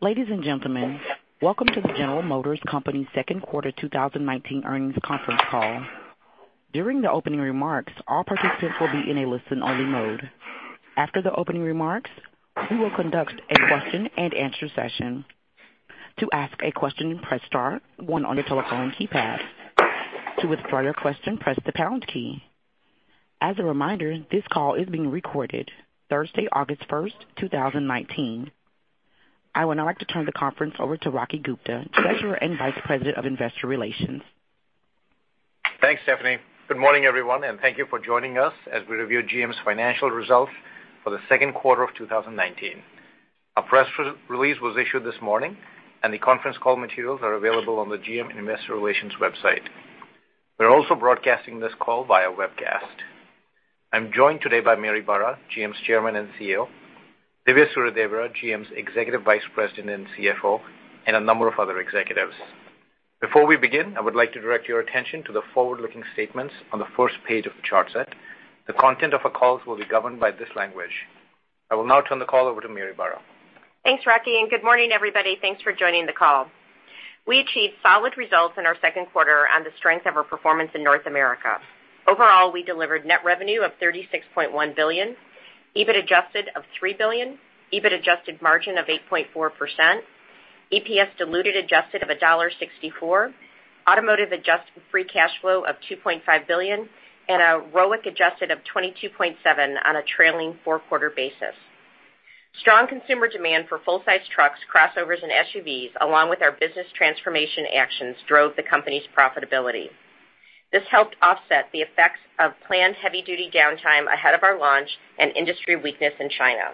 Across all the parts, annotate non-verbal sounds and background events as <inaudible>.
Ladies and gentlemen, welcome to the General Motors Company second quarter 2019 earnings conference call. During the opening remarks, all participants will be in a listen-only mode. After the opening remarks, we will conduct a question-and-answer session. To ask a question, press star one on your telephone keypad. To withdraw your question, press the pound key. As a reminder, this call is being recorded Thursday, August 1st, 2019. I would now like to turn the conference over to Rocky Gupta, Treasurer and Vice President of Investor Relations. Thanks, Stephanie. Good morning, everyone, and thank you for joining us as we review GM's financial results for the second quarter of 2019. A press release was issued this morning, and the conference call materials are available on the GM Investor Relations website. We're also broadcasting this call via webcast. I'm joined today by Mary Barra, GM's Chairman and Chief Executive Officer, Dhivya Suryadevara, GM's Executive Vice President and Chief Financial Officer, and a number of other executives. Before we begin, I would like to direct your attention to the forward-looking statements on the first page of the chart set. The content of our calls will be governed by this language. I will now turn the call over to Mary Barra. Thanks, Rocky, good morning, everybody. Thanks for joining the call. We achieved solid results in our second quarter on the strength of our performance in North America. Overall, we delivered net revenue of $36.1 billion, EBIT adjusted of $3 billion, EBIT adjusted margin of 8.4%, EPS diluted adjusted of $1.64, automotive adjusted free cash flow of $2.5 billion, and a ROIC adjusted of 22.7% on a trailing four-quarter basis. Strong consumer demand for full-size trucks, crossovers, and SUVs, along with our business transformation actions, drove the company's profitability. This helped offset the FX of planned heavy-duty downtime ahead of our launch and industry weakness in China.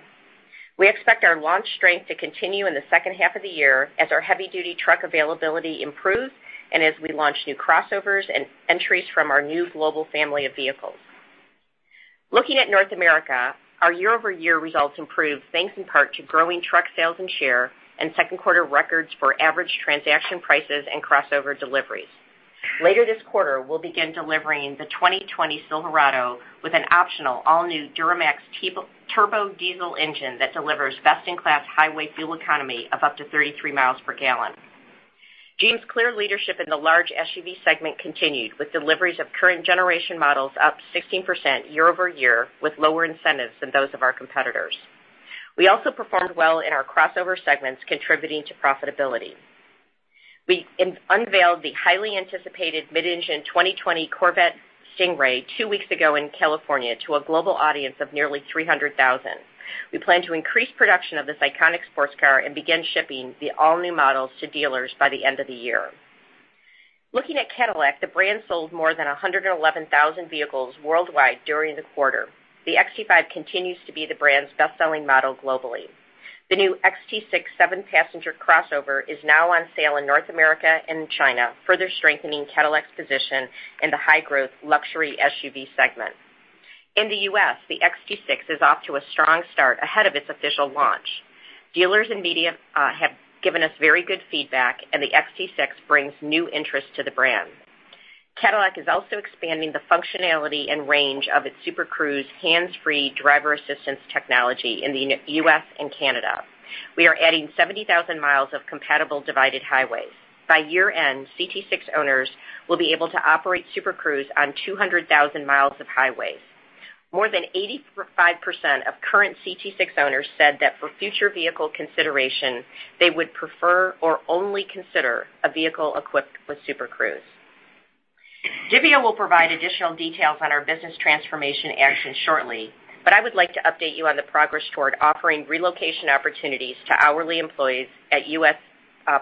We expect our launch strength to continue in the second half of the year as our heavy-duty truck availability improves and as we launch new crossovers and entries from our new global family of vehicles. Looking at North America, our year-over-year results improved, thanks in part to growing truck sales and share, and second quarter records for average transaction prices and crossover deliveries. Later this quarter, we'll begin delivering the 2020 Silverado with an optional all-new Duramax turbo diesel engine that delivers best-in-class highway fuel economy of up to 33 mi per gallon. GM's clear leadership in the large SUV segment continued, with deliveries of current generation models up 16% year-over-year, with lower incentives than those of our competitors. We also performed well in our crossover segments, contributing to profitability. We unveiled the highly anticipated mid-engine 2020 Corvette Stingray two weeks ago in California to a global audience of nearly 300,000. We plan to increase production of this iconic sports car and begin shipping the all-new models to dealers by the end of the year. Looking at Cadillac, the brand sold more than 111,000 vehicles worldwide during the quarter. The XT5 continues to be the brand's best-selling model globally. The new XT6 seven-passenger crossover is now on sale in North America and China, further strengthening Cadillac's position in the high-growth luxury SUV segment. In the U.S., the XT6 is off to a strong start ahead of its official launch. Dealers and media have given us very good feedback, and the XT6 brings new interest to the brand. Cadillac is also expanding the functionality and range of its Super Cruise hands-free driver assistance technology in the U.S. and Canada. We are adding 70,000 mi of compatible divided highways. By year-end, CT6 owners will be able to operate Super Cruise on 200,000 mi of highways. More than 85% of current CT6 owners said that for future vehicle consideration, they would prefer or only consider a vehicle equipped with Super Cruise. Dhivya will provide additional details on our business transformation action shortly, but I would like to update you on the progress toward offering relocation opportunities to hourly employees at U.S.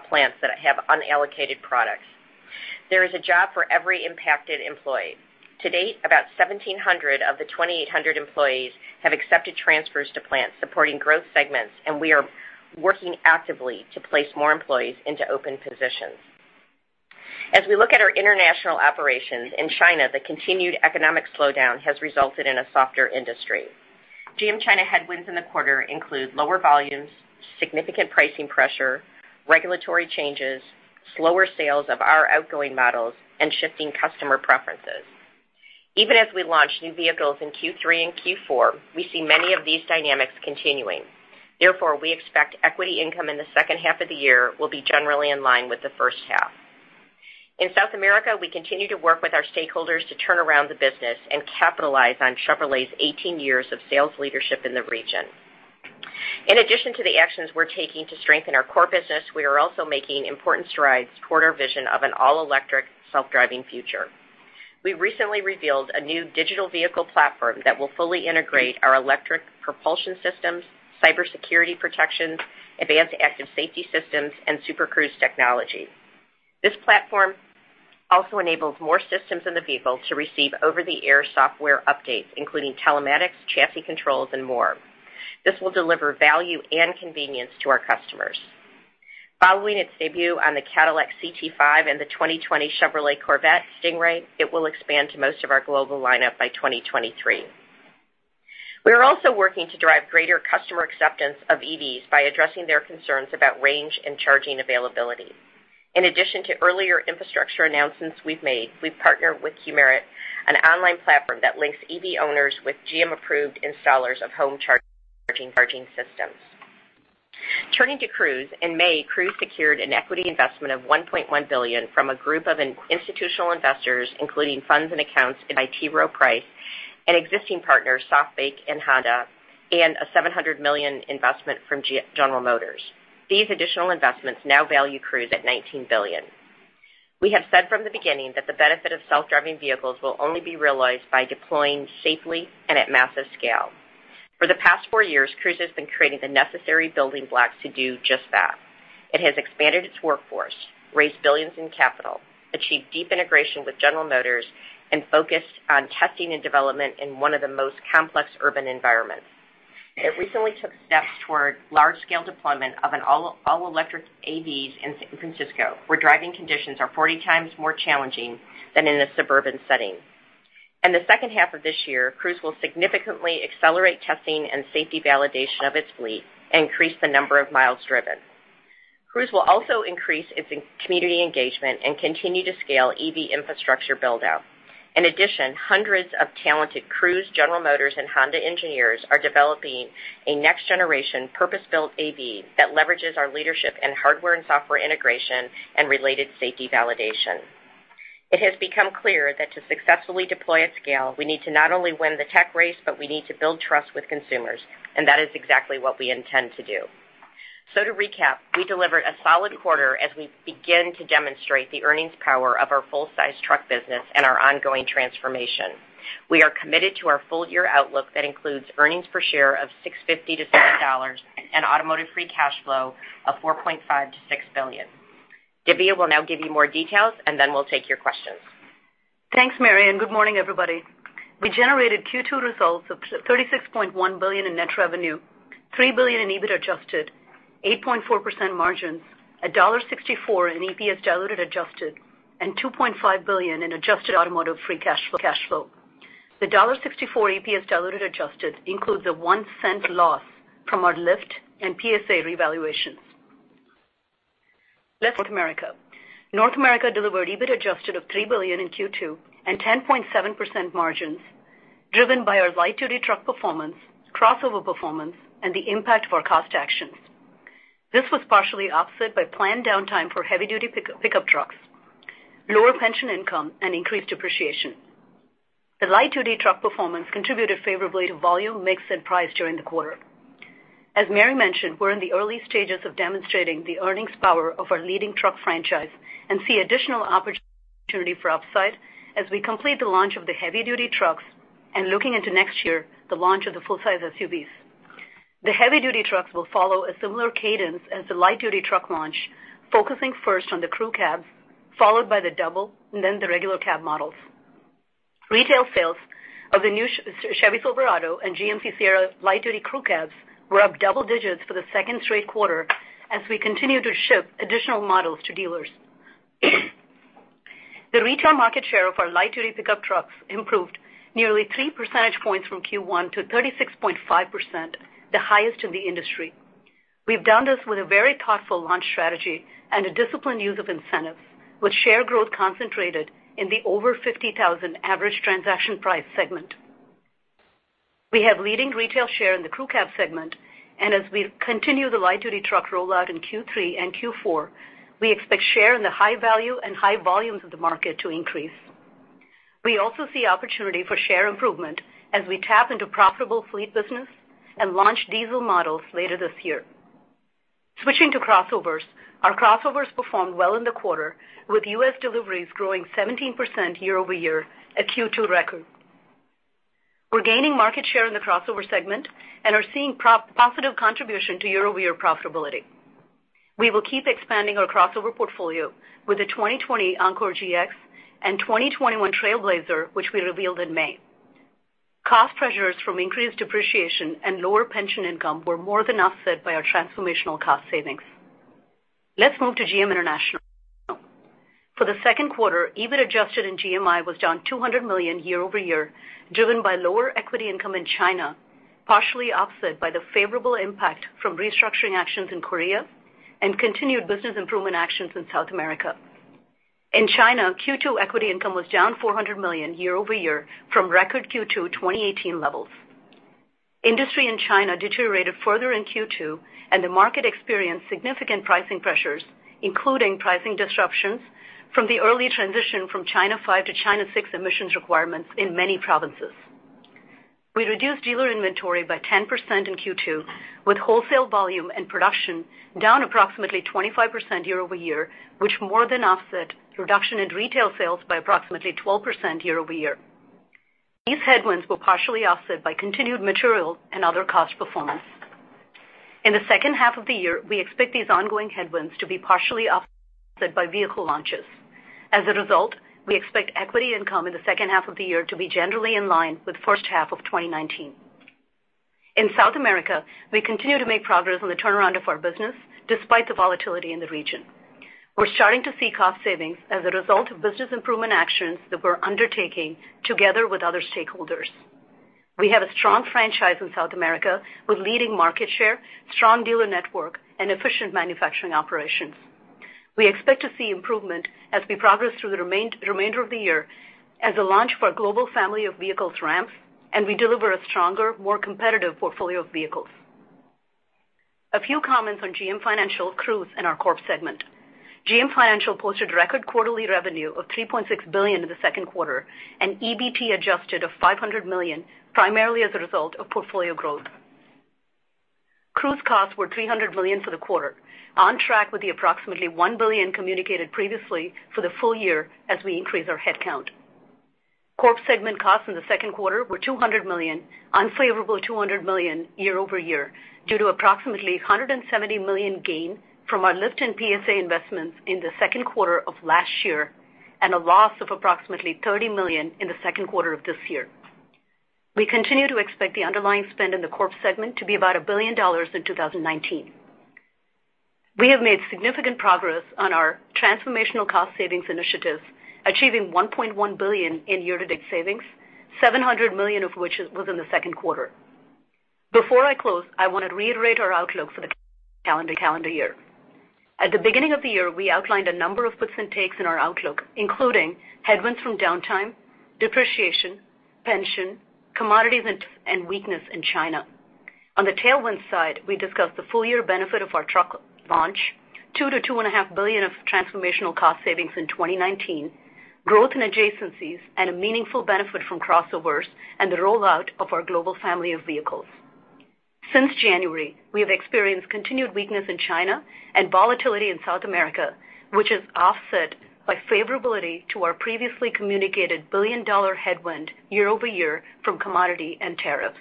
plants that have unallocated products. There is a job for every impacted employee. To date, about 1,700 of the 2,800 employees have accepted transfers to plants supporting growth segments, and we are working actively to place more employees into open positions. As we look at our international operations, in China, the continued economic slowdown has resulted in a softer industry. GM China headwinds in the quarter include lower volumes, significant pricing pressure, regulatory changes, slower sales of our outgoing models, and shifting customer preferences. Even as we launch new vehicles in Q3 and Q4, we see many of these dynamics continuing. We expect equity income in the second half of the year will be generally in line with the first half. In South America, we continue to work with our stakeholders to turn around the business and capitalize on Chevrolet's 18 years of sales leadership in the region. In addition to the actions we're taking to strengthen our core business, we are also making important strides toward our vision of an all-electric self-driving future. We recently revealed a new digital vehicle platform that will fully integrate our electric propulsion systems, cybersecurity protections, advanced active safety systems, and Super Cruise technology. This platform also enables more systems in the vehicle to receive over-the-air software updates, including telematics, chassis controls, and more. This will deliver value and convenience to our customers. Following its debut on the Cadillac CT5 and the 2020 Chevrolet Corvette Stingray, it will expand to most of our global lineup by 2023. We are also working to drive greater customer acceptance of EVs by addressing their concerns about range and charging availability. In addition to earlier infrastructure announcements we've made, we've partnered with Qmerit, an online platform that links EV owners with GM-approved installers of home charging systems. Turning to Cruise. In May, Cruise secured an equity investment of $1.1 billion from a group of institutional investors, including funds and accounts in T. Rowe Price, and existing partners SoftBank and Honda, and a $700 million investment from General Motors. These additional investments now value Cruise at $19 billion. We have said from the beginning that the benefit of self-driving vehicles will only be realized by deploying safely and at massive scale. For the past four years, Cruise has been creating the necessary building blocks to do just that. It has expanded its workforce, raised billions in capital, achieved deep integration with General Motors, and focused on testing and development in one of the most complex urban environments. It recently took steps toward large-scale deployment of an all-electric autonomous vehicles in San Francisco, where driving conditions are 40x more challenging than in a suburban setting. In the second half of this year, Cruise will significantly accelerate testing and safety validation of its fleet and increase the number of miles driven. Cruise will also increase its community engagement and continue to scale electric vehicle infrastructure build-out. In addition, hundreds of talented Cruise, General Motors, and Honda engineers are developing a next-generation, purpose-built AV that leverages our leadership in hardware and software integration and related safety validation. It has become clear that to successfully deploy at scale, we need to not only win the tech race, but we need to build trust with consumers. That is exactly what we intend to do. To recap, we delivered a solid quarter as we begin to demonstrate the earnings power of our full size truck business and our ongoing transformation. We are committed to our full-year outlook that includes earnings per share of $6.50-$7 and automotive free cash flow of $4.5 billion-$6 billion. Dhivya Suryadevara will now give you more details. Then we'll take your questions. Thanks, Mary, and good morning, everybody. We generated Q2 results of $36.1 billion in net revenue, $3 billion in EBIT adjusted, 8.4% margins, $1.64 in EPS diluted adjusted, and $2.5 billion in adjusted automotive free cash flow. The $1.64 EPS diluted adjusted includes a $0.01 loss from our Lyft and PSA revaluations. Let's North America. North America delivered EBIT adjusted of $3 billion in Q2 and 10.7% margins, driven by our light-duty truck performance, crossover performance, and the impact of our cost actions. This was partially offset by planned downtime for heavy-duty pickup trucks, lower pension income, and increased depreciation. The light-duty truck performance contributed favorably to volume, mix, and price during the quarter. As Mary mentioned, we're in the early stages of demonstrating the earnings power of our leading truck franchise and see additional opportunity for upside as we complete the launch of the heavy-duty trucks and looking into next year, the launch of the full-size SUVs. The heavy-duty trucks will follow a similar cadence as the light-duty truck launch, focusing first on the crew cabs, followed by the double, and then the regular cab models. Retail sales of the new Chevrolet Silverado and GMC Sierra light-duty crew cabs were up double digits for the second straight quarter as we continue to ship additional models to dealers. The retail market share of our light-duty pickup trucks improved nearly three percentage points from Q1 to 36.5%, the highest in the industry. We've done this with a very thoughtful launch strategy and a disciplined use of incentives, with share growth concentrated in the over $50,000 average transaction price segment. We have leading retail share in the crew cab segment. As we continue the light-duty truck rollout in Q3 and Q4, we expect share in the high value and high volumes of the market to increase. We also see opportunity for share improvement as we tap into profitable fleet business and launch diesel models later this year. Switching to crossovers. Our crossovers performed well in the quarter, with U.S. deliveries growing 17% year-over-year, a Q2 record. We're gaining market share in the crossover segment and are seeing positive contribution to year-over-year profitability. We will keep expanding our crossover portfolio with the 2020 Encore GX and 2021 Trailblazer, which we revealed in May. Cost pressures from increased depreciation and lower pension income were more than offset by our transformational cost savings. Let's move to GM International. For the second quarter, EBIT adjusted in GMI was down $200 million year-over-year, driven by lower equity income in China, partially offset by the favorable impact from restructuring actions in Korea and continued business improvement actions in South America. In China, Q2 equity income was down $400 million year-over-year from record Q2 2018 levels. Industry in China deteriorated further in Q2, and the market experienced significant pricing pressures, including pricing disruptions from the early transition from China 5 to China 6 emissions requirements in many provinces. We reduced dealer inventory by 10% in Q2, with wholesale volume and production down approximately 25% year-over-year, which more than offset reduction in retail sales by approximately 12% year-over-year. These headwinds were partially offset by continued material and other cost performance. In the second half of the year, we expect these ongoing headwinds to be partially offset by vehicle launches. As a result, we expect equity income in the second half of the year to be generally in line with first half of 2019. In South America, we continue to make progress on the turnaround of our business, despite the volatility in the region. We're starting to see cost savings as a result of business improvement actions that we're undertaking together with other stakeholders. We have a strong franchise in South America with leading market share, strong dealer network, and efficient manufacturing operations. We expect to see improvement as we progress through the remainder of the year as a launch for our global family of vehicles ramps, and we deliver a stronger, more competitive portfolio of vehicles. A few comments on GM Financial, Cruise, and our Corp segment. GM Financial posted record quarterly revenue of $3.6 billion in the second quarter, and EBT adjusted of $500 million, primarily as a result of portfolio growth. Cruise costs were $300 million for the quarter, on track with the approximately $1 billion communicated previously for the full year as we increase our headcount. Corp segment costs in the second quarter were $200 million, unfavorable $200 million year-over-year, due to approximately $170 million gain from our Lyft and PSA investments in the second quarter of last year, and a loss of approximately $30 million in the second quarter of this year. We continue to expect the underlying spend in the Corp segment to be about $1 billion in 2019. We have made significant progress on our transformational cost savings initiatives, achieving $1.1 billion in year-to-date savings, $700 million of which was in the second quarter. Before I close, I want to reiterate our outlook for the calendar year. At the beginning of the year, we outlined a number of puts and takes in our outlook, including headwinds from downtime, depreciation, pension, commodities, and weakness in China. On the tailwind side, we discussed the full-year benefit of our truck launch, $2 billion-$2.5 billion of transformational cost savings in 2019, growth in adjacencies, and a meaningful benefit from crossovers and the rollout of our global family of vehicles. Since January, we have experienced continued weakness in China and volatility in South America, which is offset by favorability to our previously communicated $1 billion headwind year-over-year from commodity and tariffs.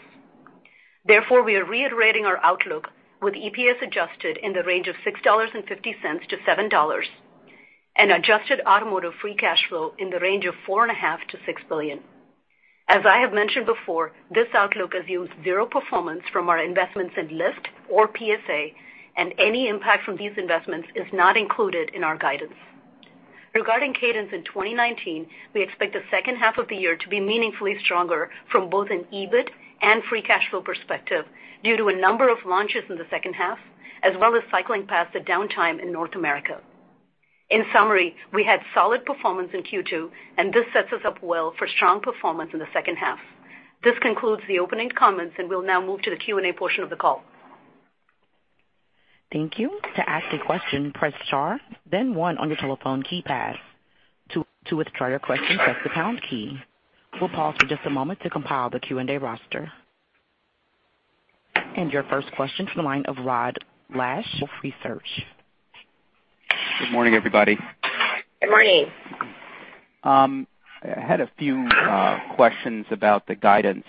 We are reiterating our outlook with EPS adjusted in the range of $6.50-$7, and adjusted automotive free cash flow in the range of $4.5 billion-$6 billion. As I have mentioned before, this outlook assumes zero performance from our investments in Lyft or PSA, and any impact from these investments is not included in our guidance. Regarding cadence in 2019, we expect the second half of the year to be meaningfully stronger from both an EBIT and free cash flow perspective due to a number of launches in the second half, as well as cycling past the downtime in North America. We had solid performance in Q2, and this sets us up well for strong performance in the second half. This concludes the opening comments, and we'll now move to the Q&A portion of the call. Thank you. To ask a question, press star, then one on your telephone keypad. To withdraw your question, press the pound key. We'll pause for just a moment to compile the Q&A roster. Your first question from the line of Rod Lache, Wolfe Research. Good morning, everybody. Good morning. I had a few questions about the guidance.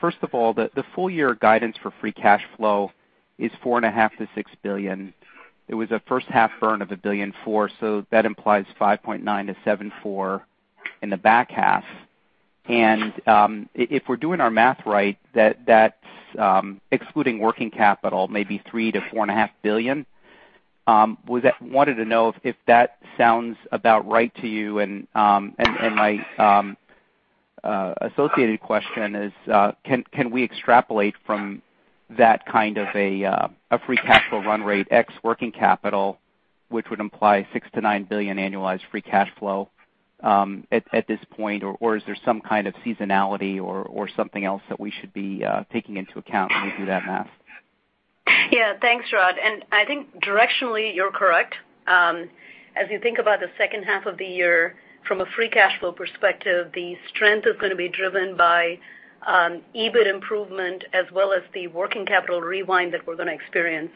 First of all, the full-year guidance for free cash flow is $4.5 billion-$6 billion. It was a first-half burn of $1.4 billion, so that implies $5.9 billion-$7.4 billion in the back half. If we're doing our math right, that's excluding working capital, maybe $3 billion-$4.5 billion. Wanted to know if that sounds about right to you, and my associated question is can we extrapolate from that kind of a free cash flow run rate ex working capital, which would imply $6 billion-$9 billion annualized free cash flow at this point, or is there some kind of seasonality or something else that we should be taking into account when we do that math? Yeah. Thanks, Rod. I think directionally, you're correct. As you think about the second half of the year from a free cash flow perspective, the strength is going to be driven by EBIT improvement as well as the working capital rewind that we're going to experience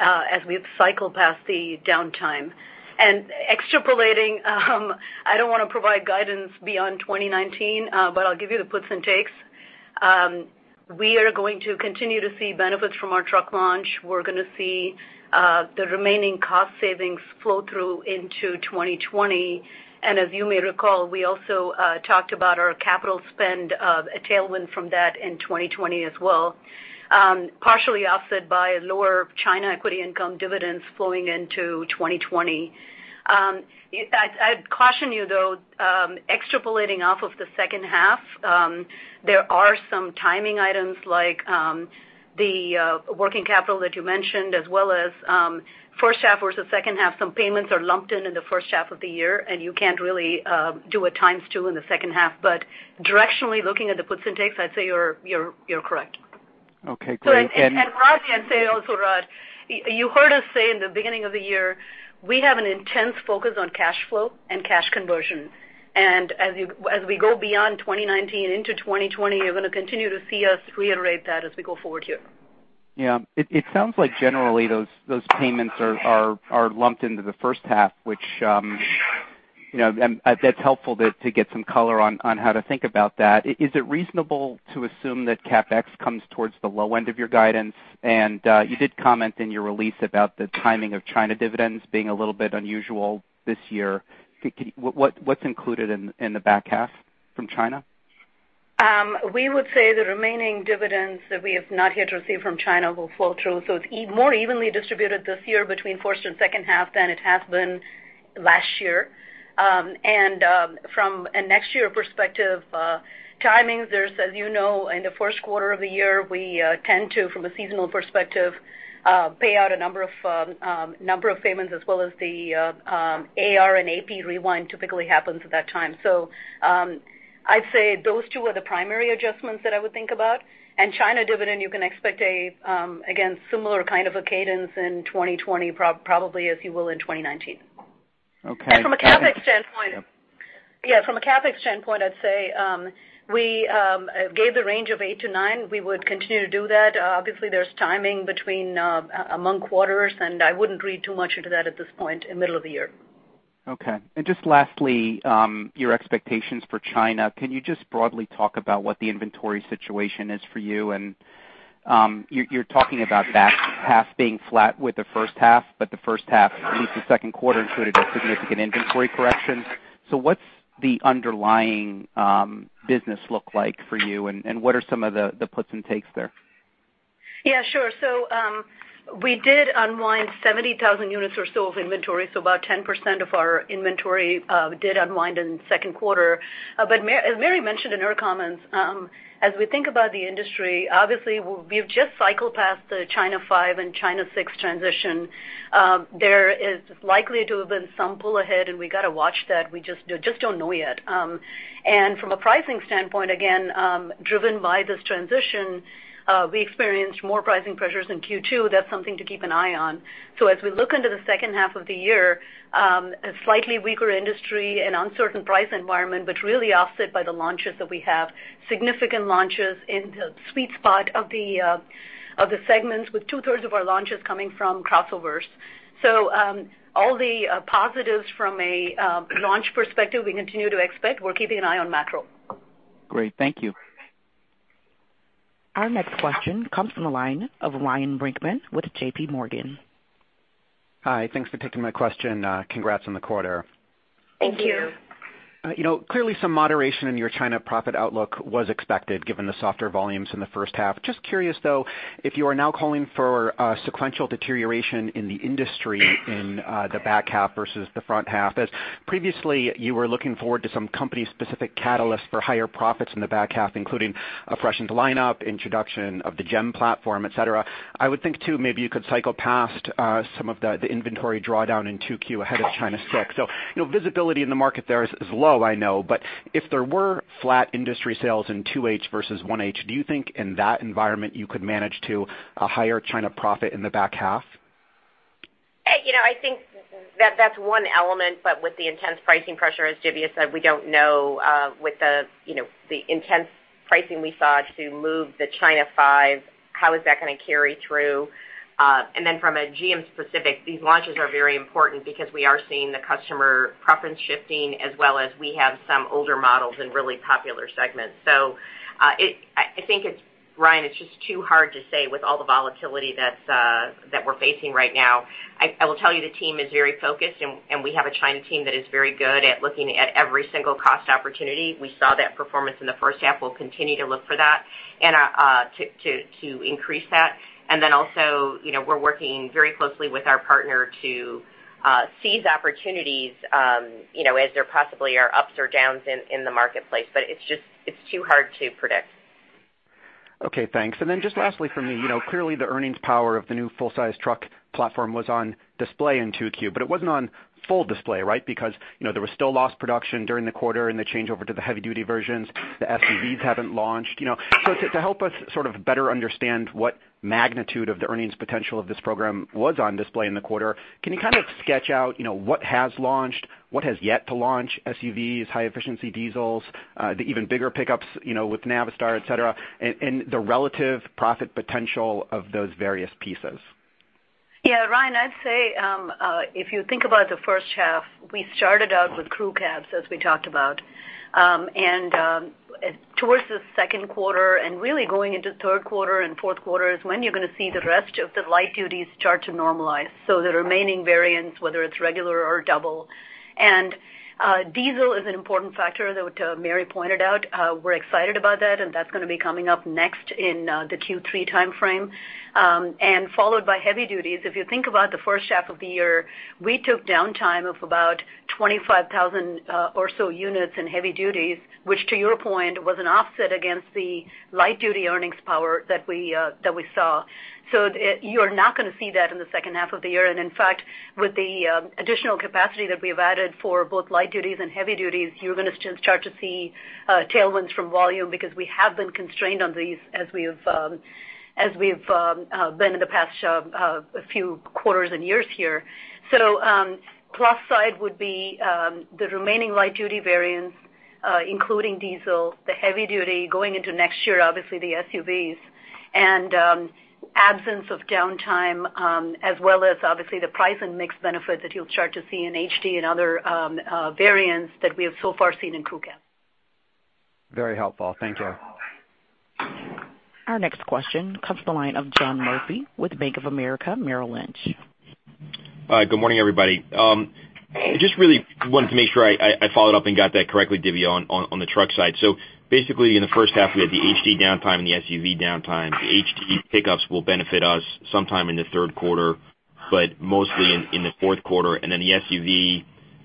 as we cycle past the downtime. Extrapolating I don't want to provide guidance beyond 2019, but I'll give you the puts and takes. We are going to continue to see benefits from our truck launch. We're going to see the remaining cost savings flow through into 2020. As you may recall, we also talked about our capital spend, a tailwind from that in 2020 as well, partially offset by lower China equity income dividends flowing into 2020. I'd caution you, though, extrapolating off of the second half, there are some timing items like the working capital that you mentioned, as well as first half versus second half. Some payments are lumped in the first half of the year, and you can't really do a times two in the second half. Directionally looking at the puts and takes, I'd say you're correct. Okay, great. Rod, I'd say also, Rod, you heard us say in the beginning of the year, we have an intense focus on cash flow and cash conversion. As we go beyond 2019 into 2020, you're going to continue to see us reiterate that as we go forward here. Yeah. It sounds like generally those payments are lumped into the first half, which that's helpful to get some color on how to think about that. Is it reasonable to assume that CapEx comes towards the low end of your guidance? You did comment in your release about the timing of China dividends being a little bit unusual this year. What's included in the back half from China? We would say the remaining dividends that we have not yet received from China will flow through. It's more evenly distributed this year between first and second half than it has been last year. From a next year perspective, timings, there's, as you know, in the first quarter of the year, we tend to, from a seasonal perspective, pay out a number of payments as well as the accounts receivable and accounts payable rewind typically happens at that time. I'd say those two are the primary adjustments that I would think about. China dividend, you can expect a, again, similar kind of a cadence in 2020, probably as you will in 2019. Okay. From a CapEx standpoint, I'd say we gave the range of eight to nine. We would continue to do that. Obviously, there's timing among quarters, and I wouldn't read too much into that at this point in middle of the year. Okay. Just lastly, your expectations for China. Can you just broadly talk about what the inventory situation is for you? You're talking about back half being flat with the first half, but the first half, at least the second quarter included a significant inventory correction. What's the underlying business look like for you, and what are some of the puts and takes there? Yeah, sure. We did unwind 70,000 units or so of inventory. About 10% of our inventory did unwind in the second quarter. As Mary mentioned in her comments, as we think about the industry, obviously, we've just cycled past the China 5 and China 6 transition. There is likely to have been some pull ahead, and we got to watch that. We just don't know yet. From a pricing standpoint, again, driven by this transition, we experienced more pricing pressures in Q2. That's something to keep an eye on. As we look into the second half of the year, a slightly weaker industry and uncertain price environment, but really offset by the launches that we have. Significant launches in the sweet spot of the segments with 2/3 of our launches coming from crossovers. All the positives from a launch perspective, we continue to expect. We're keeping an eye on macro. Great. Thank you. Our next question comes from the line of Ryan Brinkman with JPMorgan. Hi. Thanks for taking my question. Congrats on the quarter. Thank you. Clearly some moderation in your China profit outlook was expected given the softer volumes in the first half. Just curious though, if you are now calling for a sequential deterioration in the industry in the back half versus the front half, as previously you were looking forward to some company-specific catalyst for higher profits in the back half, including a freshened lineup, introduction of the Global Emerging Markets platform, et cetera. I would think too, maybe you could cycle past some of the inventory drawdown in 2Q ahead of China 6. So visibility in the market there is low, I know. But if there were flat industry sales in 2H versus 1H, do you think in that environment you could manage to a higher China profit in the back half? I think that's one element, but with the intense pricing pressure, as Dhivya said, we don't know with the intense pricing we saw to move the China 5, how is that going to carry through. Then from a GM specific, these launches are very important because we are seeing the customer preference shifting as well as we have some older models in really popular segments. I think, Ryan, it's just too hard to say with all the volatility that we're facing right now. I will tell you the team is very focused, and we have a China team that is very good at looking at every single cost opportunity. We saw that performance in the first half. We'll continue to look for that and to increase that. Then also, we're working very closely with our partner to seize opportunities as there possibly are ups or downs in the marketplace. It's too hard to predict. Okay, thanks. Just lastly from me, clearly the earnings power of the new full-size truck platform was on display in 2Q, but it wasn't on full display, right? Because there was still lost production during the quarter and the change over to the heavy-duty versions. The SUVs haven't launched. To help us sort of better understand what magnitude of the earnings potential of this program was on display in the quarter, can you kind of sketch out what has launched, what has yet to launch, SUVs, high-efficiency diesels, the even bigger pickups with Navistar, et cetera, and the relative profit potential of those various pieces? Yeah, Ryan, I'd say if you think about the first half, we started out with crew cabs, as we talked about. Towards the second quarter and really going into third quarter and fourth quarter is when you're going to see the rest of the light duties start to normalize, the remaining variants, whether it's regular or double. Diesel is an important factor that Mary pointed out. We're excited about that, and that's going to be coming up next in the Q3 timeframe, followed by heavy duties. If you think about the first half of the year, we took downtime of about 25,000 or so units in heavy duties, which to your point, was an offset against the light-duty earnings power that we saw. You are not going to see that in the second half of the year. In fact, with the additional capacity that we have added for both light-duty and heavy-duty, you're going to start to see tailwinds from volume because we have been constrained on these as we've been in the past few quarters and years here. Plus side would be the remaining light-duty variants including diesel, the heavy-duty going into next year, obviously the SUVs. Absence of downtime as well as obviously the price and mix benefits that you'll start to see in HD and other variants that we have so far seen in crew cab. Very helpful. Thank you. Our next question comes to the line of John Murphy with Bank of America. Hi, good morning, everybody. Just really wanted to make sure I followed up and got that correctly, Dhivya, on the truck side. Basically, in the first half, we had the HD downtime and the SUV downtime. The HD pickups will benefit us sometime in the third quarter, mostly in the fourth quarter. The SUV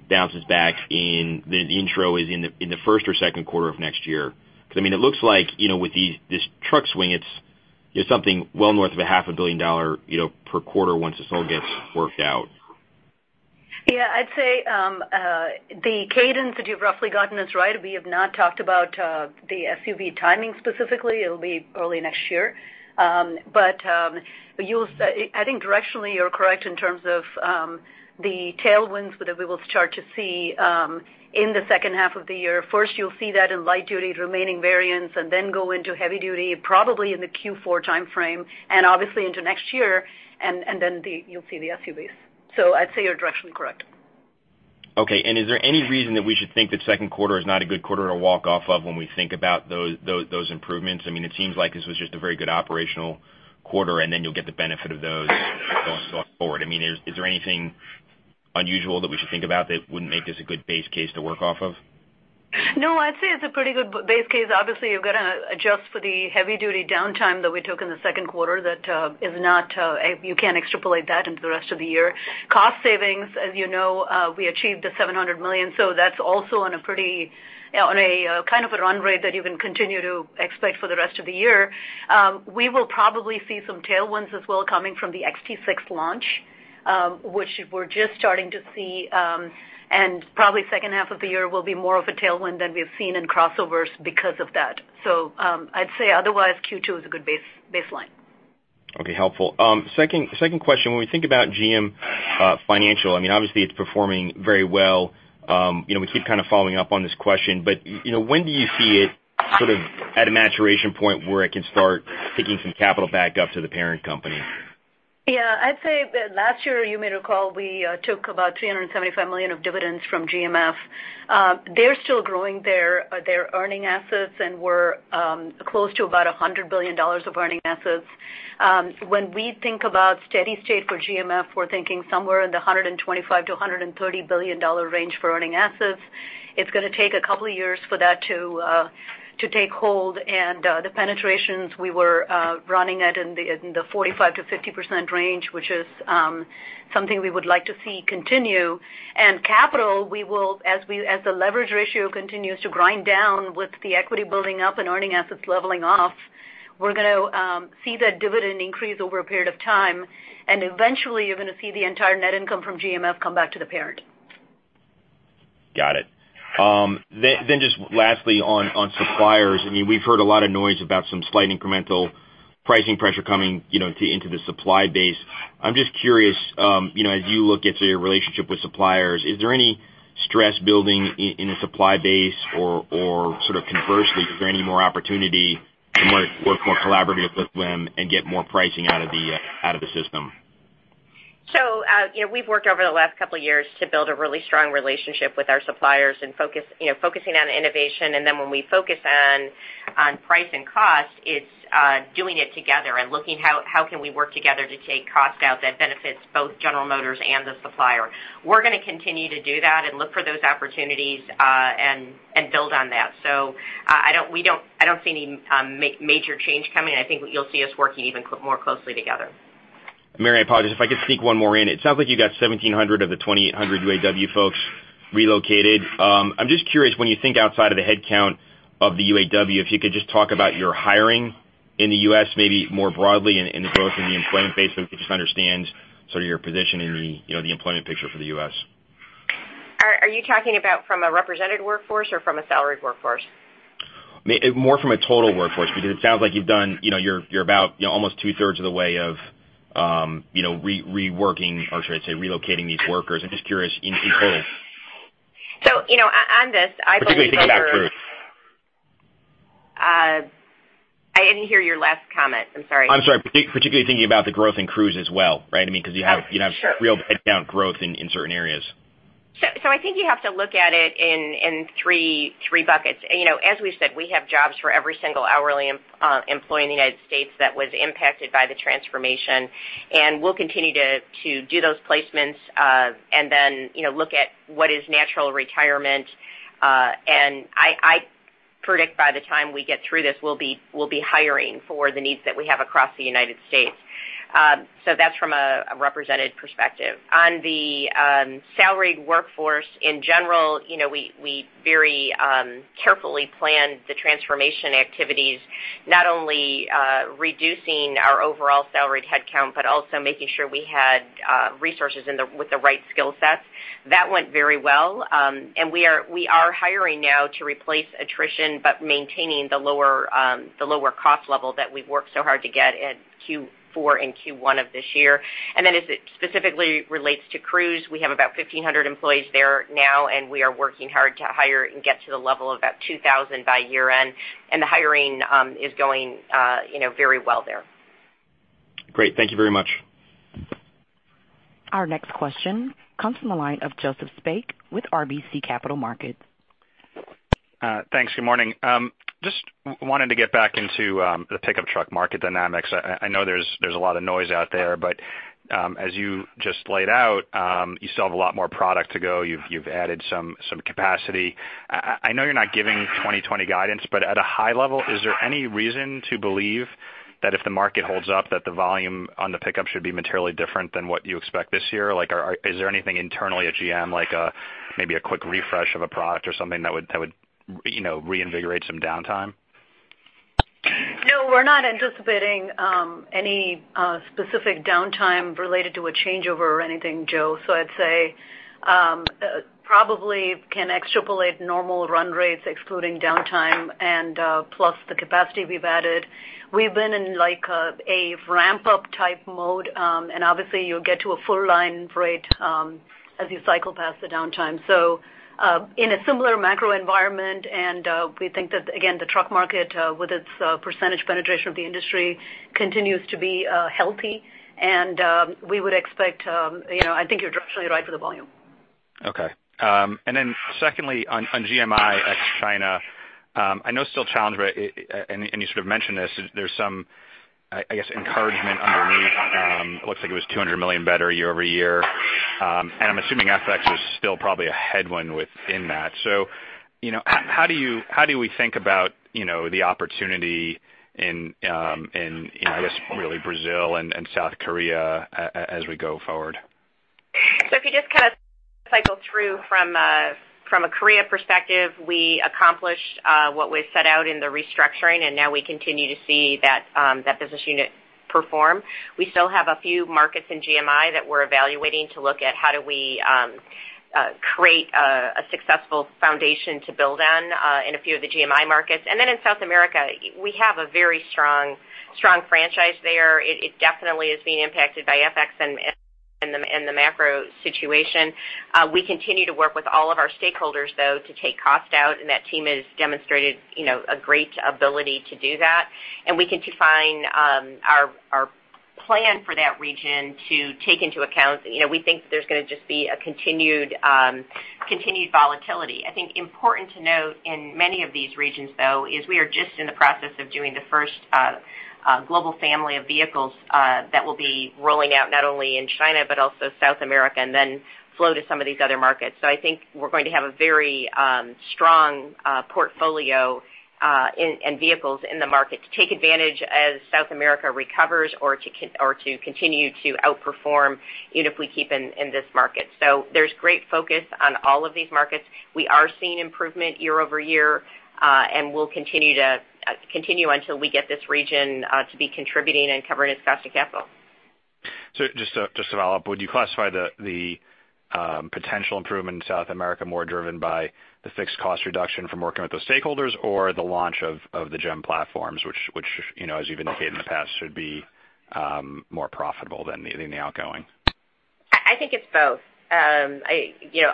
bounces back in the intro is in the first or second quarter of next year. Because it looks like, with this truck swing, it's something well north of a $ 0.5 billion per quarter once this all gets worked out. Yeah, I'd say the cadence that you've roughly gotten is right. We have not talked about the SUV timing specifically. It'll be early next year. I think directionally you're correct in terms of the tailwinds that we will start to see in the second half of the year. First, you'll see that in light duty's remaining variants. Then go into heavy duty, probably in the Q4 timeframe. Obviously into next year, then you'll see the SUVs. I'd say you're directionally correct. Okay. Is there any reason that we should think that second quarter is not a good quarter to walk off of when we think about those improvements? It seems like this was just a very good operational quarter, and then you'll get the benefit of those going forward. Is there anything unusual that we should think about that wouldn't make this a good base case to work off of? No, I'd say it's a pretty good base case. Obviously, you've got to adjust for the heavy-duty downtime that we took in the second quarter that you can't extrapolate that into the rest of the year. Cost savings, as you know, we achieved the $700 million, so that's also on a kind of a run rate that you can continue to expect for the rest of the year. We will probably see some tailwinds as well coming from the XT6 launch, which we're just starting to see, and probably second half of the year will be more of a tailwind than we've seen in crossovers because of that. I'd say otherwise Q2 is a good baseline. Okay, helpful. Second question. When we think about GM Financial, obviously it's performing very well. We keep kind of following up on this question, when do you see it sort of at a maturation point where it can start taking some capital back up to the parent company? Yeah. I'd say that last year, you may recall, we took about $375 million of dividends from GMF. They're still growing their earning assets, and we're close to about $100 billion of earning assets. When we think about steady state for GMF, we're thinking somewhere in the $125 billion-$130 billion range for earning assets. It's going to take a couple of years for that to take hold, and the penetrations we were running at in the 45%-50% range, which is something we would like to see continue. Capital, as the leverage ratio continues to grind down with the equity building up and earning assets leveling off, we're going to see that dividend increase over a period of time. Eventually, you're going to see the entire net income from GMF come back to the parent. Got it. Just lastly on suppliers. We've heard a lot of noise about some slight incremental pricing pressure coming into the supply base. I'm just curious, as you look into your relationship with suppliers, is there any stress building in the supply base? Sort of conversely, is there any more opportunity to work more collaboratively with them and get more pricing out of the system? We've worked over the last couple of years to build a really strong relationship with our suppliers and focusing on innovation. When we focus on price and cost, it's doing it together and looking how can we work together to take cost out that benefits both General Motors and the supplier. We're going to continue to do that and look for those opportunities, and build on that. I don't see any major change coming. I think what you'll see us working even more closely together. Mary, I apologize. If I could sneak one more in. It sounds like you got 1,700 of the 2,800 United Auto Workers folks relocated. I'm just curious when you think outside of the headcount of the UAW, if you could just talk about your hiring in the U.S., maybe more broadly in the growth in the employment base, so we could just understand sort of your position in the employment picture for the U.S. Are you talking about from a represented workforce or from a salaried workforce? More from a total workforce, because it sounds like you're about almost 2/3 of the way of relocating these workers. I'm just curious in total. So, on this, I believe. <crosstalk> Particularly thinking about Cruise. I didn't hear your last comment. I'm sorry. I'm sorry. Particularly thinking about the growth in Cruise as well, right? Sure. Real headcount growth in certain areas. I think you have to look at it in three buckets. As we said, we have jobs for every single hourly employee in the U.S. that was impacted by the transformation, and we'll continue to do those placements, and then look at what is natural retirement. I predict by the time we get through this, we'll be hiring for the needs that we have across the U.S. That's from a represented perspective. On the salaried workforce in general, we very carefully planned the transformation activities, not only reducing our overall salaried headcount, but also making sure we had resources with the right skill sets. That went very well. We are hiring now to replace attrition, but maintaining the lower cost level that we've worked so hard to get at Q4 and Q1 of this year. As it specifically relates to Cruise, we have about 1,500 employees there now, and we are working hard to hire and get to the level of about 2,000 by year-end. The hiring is going very well there. Great. Thank you very much. Our next question comes from the line of Joseph Spak with RBC Capital Markets. Thanks. Good morning. Wanted to get back into the pickup truck market dynamics. I know there's a lot of noise out there, as you just laid out, you still have a lot more product to go. You've added some capacity. I know you're not giving 2020 guidance, at a high level, is there any reason to believe that if the market holds up, that the volume on the pickup should be materially different than what you expect this year? Is there anything internally at GM, maybe a quick refresh of a product or something that would reinvigorate some downtime? We're not anticipating any specific downtime related to a changeover or anything, Joseph. I'd say probably can extrapolate normal run rates excluding downtime and plus the capacity we've added. We've been in a ramp-up type mode, and obviously, you'll get to a full line rate as you cycle past the downtime. In a similar macro environment, and we think that, again, the truck market, with its percentage penetration of the industry, continues to be healthy, and we would expect, I think you're directionally right for the volume. Okay. Secondly, on GMI ex China, I know it's still a challenge, and you sort of mentioned this, there's some, I guess, encouragement underneath. It looks like it was $200 million better year-over-year. I'm assuming FX was still probably a headwind within that. How do we think about the opportunity in, I guess, really Brazil and South Korea as we go forward? If you just kind of cycle through from a Korea perspective, we accomplished what we set out in the restructuring, and now we continue to see that business unit perform. We still have a few markets in GMI that we're evaluating to look at how do we create a successful foundation to build on in a few of the GMI markets. In South America, we have a very strong franchise there. It definitely is being impacted by FX and the macro situation. We continue to work with all of our stakeholders, though, to take cost out, and that team has demonstrated a great ability to do that. We continue to find our plan for that region to take into account. We think that there's going to just be a continued volatility. I think important to note in many of these regions, though, is we are just in the process of doing the first global family of vehicles that will be rolling out not only in China but also South America then flow to some of these other markets. I think we're going to have a very strong portfolio and vehicles in the market to take advantage as South America recovers or to continue to outperform even if we keep in this market. There's great focus on all of these markets. We are seeing improvement year-over-year, we'll continue until we get this region to be contributing and covering its cost of capital. Just to follow up, would you classify the potential improvement in South America more driven by the fixed cost reduction from working with those stakeholders or the launch of the GEM platforms, which, as you've indicated in the past, should be more profitable than the outgoing? I think it's both.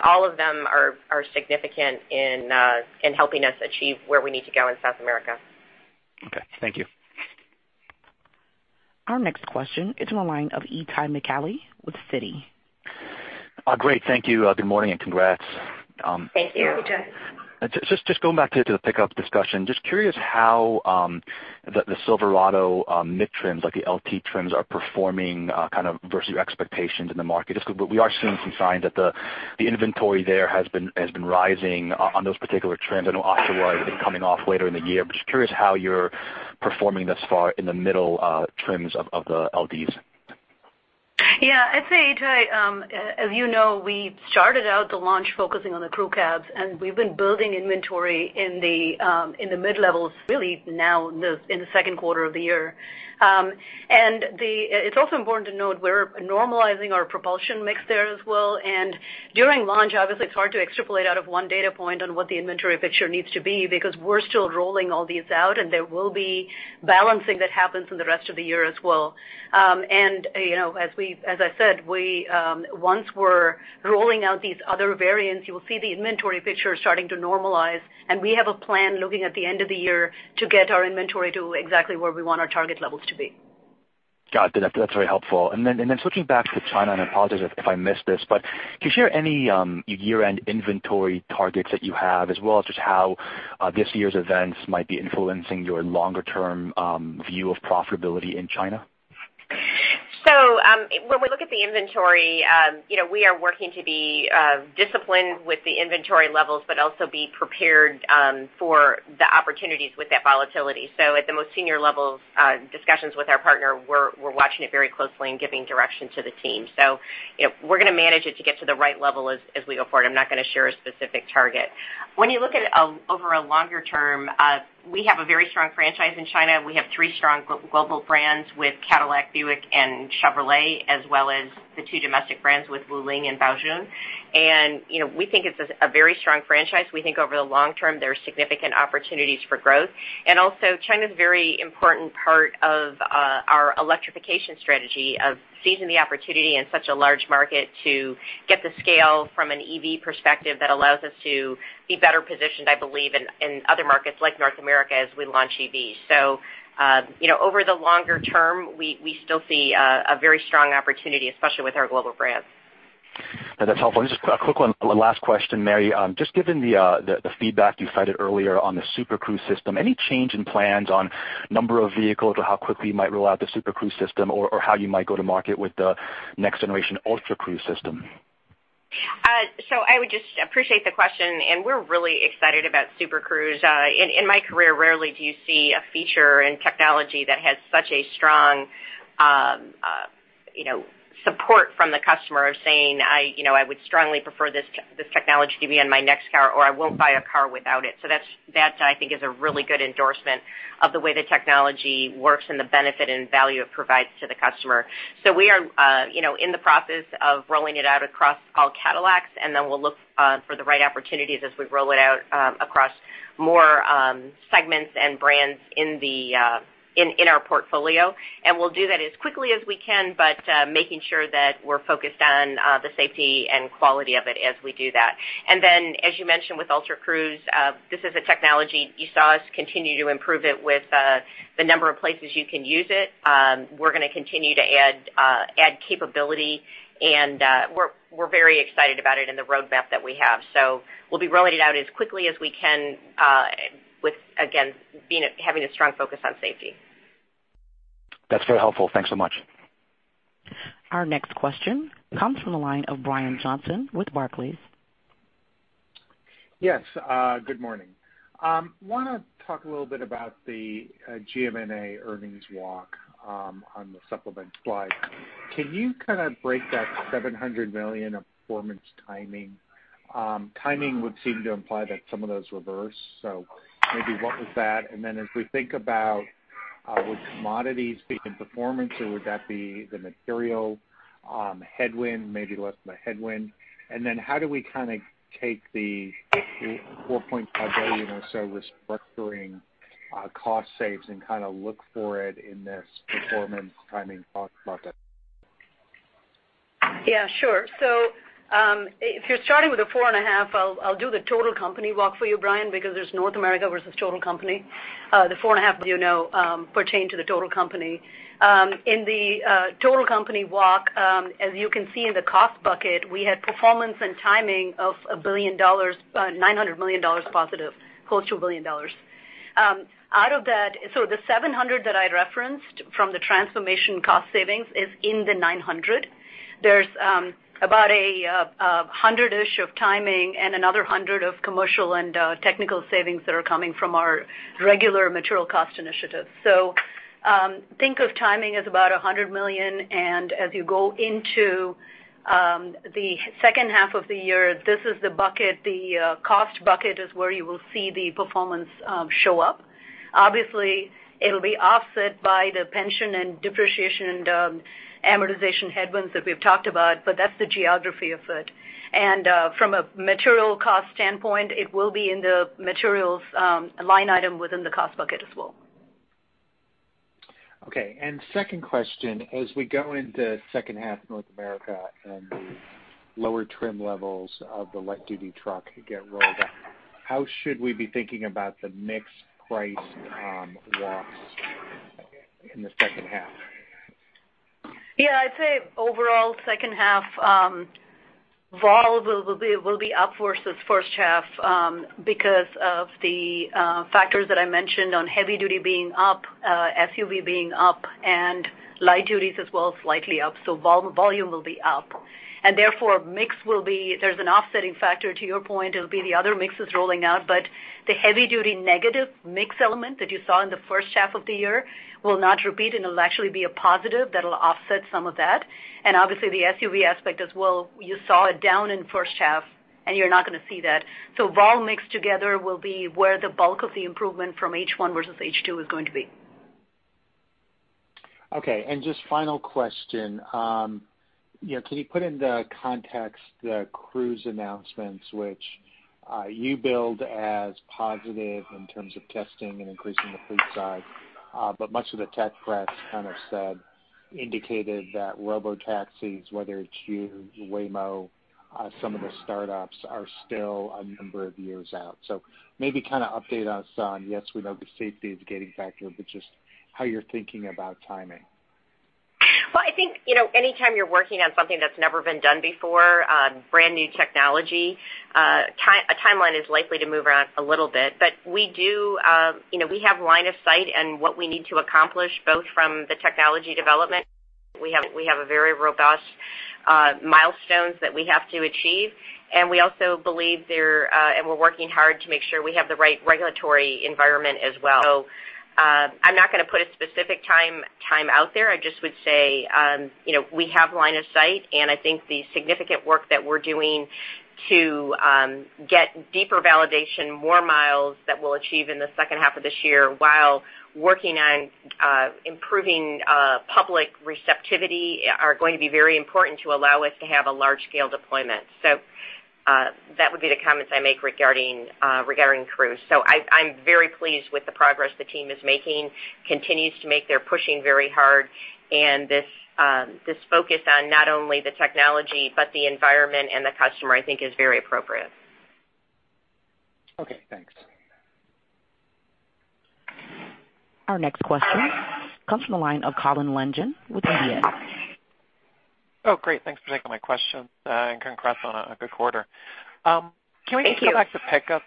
All of them are significant in helping us achieve where we need to go in South America. Okay. Thank you. Our next question is on the line of Itay Michaeli with Citigroup. Great, thank you. Good morning and congrats. Thank you. Thank you. Just going back to the pickup discussion, just curious how the Silverado mid trims, like the Luxury Touring trims, are performing kind of versus your expectations in the market. We are seeing some signs that the inventory there has been rising on those particular trims. I know Silverado is coming off later in the year, but just curious how you're performing thus far in the middle trims of the LTs. Yeah, I'd say, Itay, as you know, we started out the launch focusing on the crew cabs, we've been building inventory in the mid-levels, really now in the second quarter of the year. It's also important to note we're normalizing our propulsion mix there as well. During launch, obviously, it's hard to extrapolate out of one data point on what the inventory picture needs to be because we're still rolling all these out, and there will be balancing that happens in the rest of the year as well. As I said, once we're rolling out these other variants, you will see the inventory picture starting to normalize, and we have a plan looking at the end of the year to get our inventory to exactly where we want our target levels to be. Got it. That's very helpful. Switching back to China, and apologies if I missed this, but can you share any year-end inventory targets that you have, as well as just how this year's events might be influencing your longer-term view of profitability in China? When we look at the inventory, we are working to be disciplined with the inventory levels, but also be prepared for the opportunities with that volatility. At the most senior levels, discussions with our partner, we're watching it very closely and giving direction to the team. We're going to manage it to get to the right level as we go forward. I'm not going to share a specific target. When you look at it over a longer term, we have a very strong franchise in China. We have three strong global brands with Cadillac, Buick, and Chevrolet, as well as the two domestic brands with Wuling and Baojun. We think it's a very strong franchise. We think over the long term, there are significant opportunities for growth. Also, China's a very important part of our electrification strategy of seizing the opportunity in such a large market to get the scale from an EV perspective that allows us to be better positioned, I believe, in other markets like North America as we launch EVs. Over the longer term, we still see a very strong opportunity, especially with our global brands. That's helpful. Just a quick one last question, Mary. Just given the feedback you cited earlier on the Super Cruise system, any change in plans on number of vehicles or how quickly you might roll out the Super Cruise system or how you might go to market with the next generation Ultra Cruise system? I would just appreciate the question, and we're really excited about Super Cruise. In my career, rarely do you see a feature and technology that has such a strong support from the customer of saying, "I would strongly prefer this technology to be on my next car, or I won't buy a car without it." That, I think, is a really good endorsement of the way the technology works and the benefit and value it provides to the customer. We are in the process of rolling it out across all Cadillacs, and then we'll look for the right opportunities as we roll it out across more segments and brands in our portfolio. We'll do that as quickly as we can, but making sure that we're focused on the safety and quality of it as we do that. As you mentioned, with Ultra Cruise, this is a technology you saw us continue to improve it with the number of places you can use it. We're going to continue to add capability, and we're very excited about it and the roadmap that we have. We'll be rolling it out as quickly as we can, with, again, having a strong focus on safety. That's very helpful. Thanks so much. Our next question comes from the line of Brian Johnson with Barclays. Yes. Good morning. I want to talk a little bit about the GMNA earnings walk on the supplement slide. Can you kind of break that $700 million of performance timing? Timing would seem to imply that some of those reverse, so maybe what was that? As we think about would commodities be in performance, or would that be the material headwind, maybe less of a headwind? How do we kind of take the $4.5 billion or so restructuring cost saves and kind of look for it in this performance timing talk about that? Yeah, sure. If you're starting with the four and a half, I'll do the total company walk for you, Brian, because there's North America versus total company. The four and a half, as you know, pertain to the total company. In the total company walk, as you can see in the cost bucket, we had performance and timing of $900 million positive, close to $1 billion. The $700 million that I referenced from the transformation cost savings is in the $900 million. There's about $100 million-ish of timing and another $100 million of commercial and technical savings that are coming from our regular material cost initiatives. Think of timing as about $100 million, and as you go into the second half of the year, this is the bucket. The cost bucket is where you will see the performance show up. Obviously, it'll be offset by the pension and depreciation and amortization headwinds that we've talked about, but that's the geography of it. From a material cost standpoint, it will be in the materials line item within the cost bucket as well. Okay, second question, as we go into second half North America and the lower trim levels of the light-duty truck get rolled out, how should we be thinking about the mix price walks in the second half? Yeah, I'd say overall second half volume will be up versus first half because of the factors that I mentioned on heavy-duty being up, SUV being up, and light-duty as well, slightly up. Volume will be up. Therefore, there's an offsetting factor to your point. It'll be the other mixes rolling out. The heavy-duty negative mix element that you saw in the first half of the year will not repeat, and it'll actually be a positive that'll offset some of that. Obviously, the SUV aspect as well, you saw it down in the first half, and you're not going to see that Vol/Mix together will be where the bulk of the improvement from H1 versus H2 is going to be. Just final question. Can you put into context the Cruise announcements, which you billed as positive in terms of testing and increasing the fleet size? Much of the tech press kind of said, indicated that robotaxis, whether it's you, Waymo, some of the startups, are still a number of years out. Maybe kind of update us on, yes, we know the safety is a getting factor, but just how you're thinking about timing. Well, I think, anytime you're working on something that's never been done before, brand new technology, a timeline is likely to move around a little bit. We have line of sight and what we need to accomplish, both from the technology development. We have a very robust milestones that we have to achieve, and we're working hard to make sure we have the right regulatory environment as well. I'm not going to put a specific time out there. I just would say we have line of sight, and I think the significant work that we're doing to get deeper validation, more miles that we'll achieve in the second half of this year while working on improving public receptivity are going to be very important to allow us to have a large-scale deployment. That would be the comments I make regarding Cruise. I'm very pleased with the progress the team is making, continues to make. They're pushing very hard, and this focus on not only the technology, but the environment and the customer, I think is very appropriate. Okay, thanks. Our next question comes from the line of Colin Langan with UBS. Oh, great. Thanks for taking my question, and congrats on a good quarter. Thank you. Can we go back to pickups?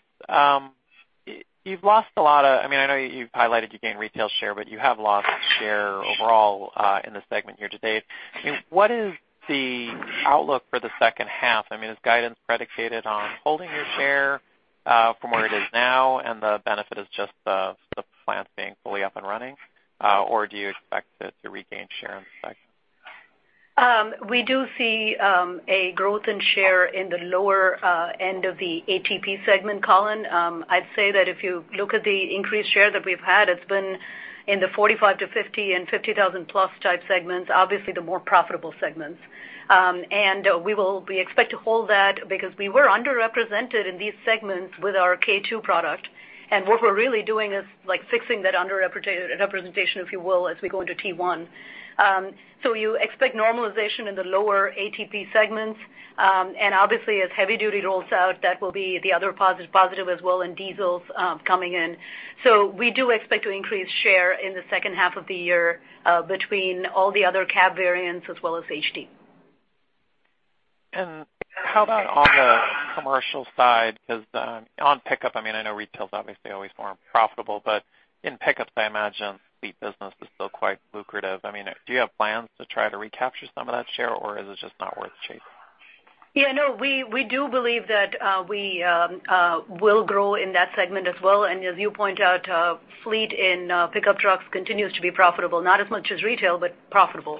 You've lost a lot of, I know you've highlighted you gained retail share, but you have lost share overall in the segment year to date. What is the outlook for the second half? Is guidance predicated on holding your share from where it is now, and the benefit is just the plant being fully up and running, or do you expect it to regain share in the second? We do see a growth in share in the lower end of the Average Transaction Price segment, Colin. I'd say that if you look at the increased share that we've had, it's been in the $45,000-$50,000 and $50,000+ type segments, obviously the more profitable segments. We expect to hold that because we were underrepresented in these segments with our K2XX product. What we're really doing is fixing that underrepresentation, if you will, as we go into T1XX. You expect normalization in the lower ATP segments. Obviously as heavy-duty rolls out, that will be the other positive as well, and diesels coming in. We do expect to increase share in the second half of the year between all the other cab variants as well as HD. How about on the commercial side? Because on pickup, I know retail is obviously always more profitable, but in pickups, I imagine the business is still quite lucrative. Do you have plans to try to recapture some of that share, or is it just not worth chasing? Yeah, no, we do believe that we will grow in that segment as well. As you point out, fleet in pickup trucks continues to be profitable. Not as much as retail, but profitable.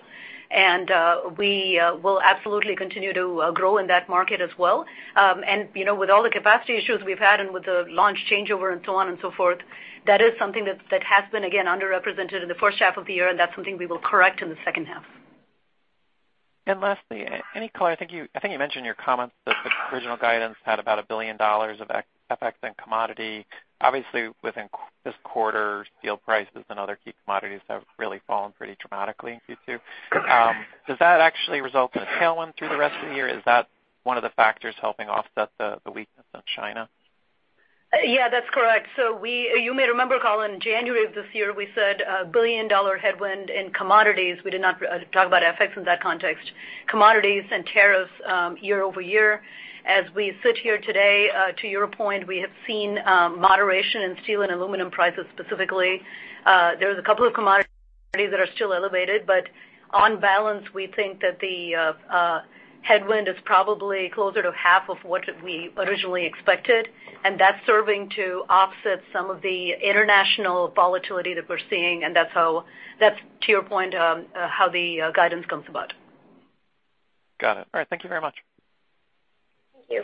We will absolutely continue to grow in that market as well. With all the capacity issues we've had and with the launch changeover and so on and so forth, that is something that has been, again, underrepresented in the first half of the year, and that's something we will correct in the second half. Lastly, any color, I think you mentioned in your comments that the original guidance had about $1 billion of FX and commodity. Obviously, within this quarter, steel prices and other key commodities have really fallen pretty dramatically, Q2. Does that actually result in a tailwind through the rest of the year? Is that one of the factors helping offset the weakness in China? Yeah, that's correct. You may remember, Colin, January of this year, we said a billion-dollar headwind in commodities. We did not talk about FX in that context. Commodities and tariffs year-over-year. As we sit here today, to your point, we have seen moderation in steel and aluminum prices specifically. There's a couple of commodities that are still elevated, but on balance, we think that the headwind is probably closer to half of what we originally expected, and that's serving to offset some of the international volatility that we're seeing, and that's to your point, how the guidance comes about. Got it. All right. Thank you very much. Thank you.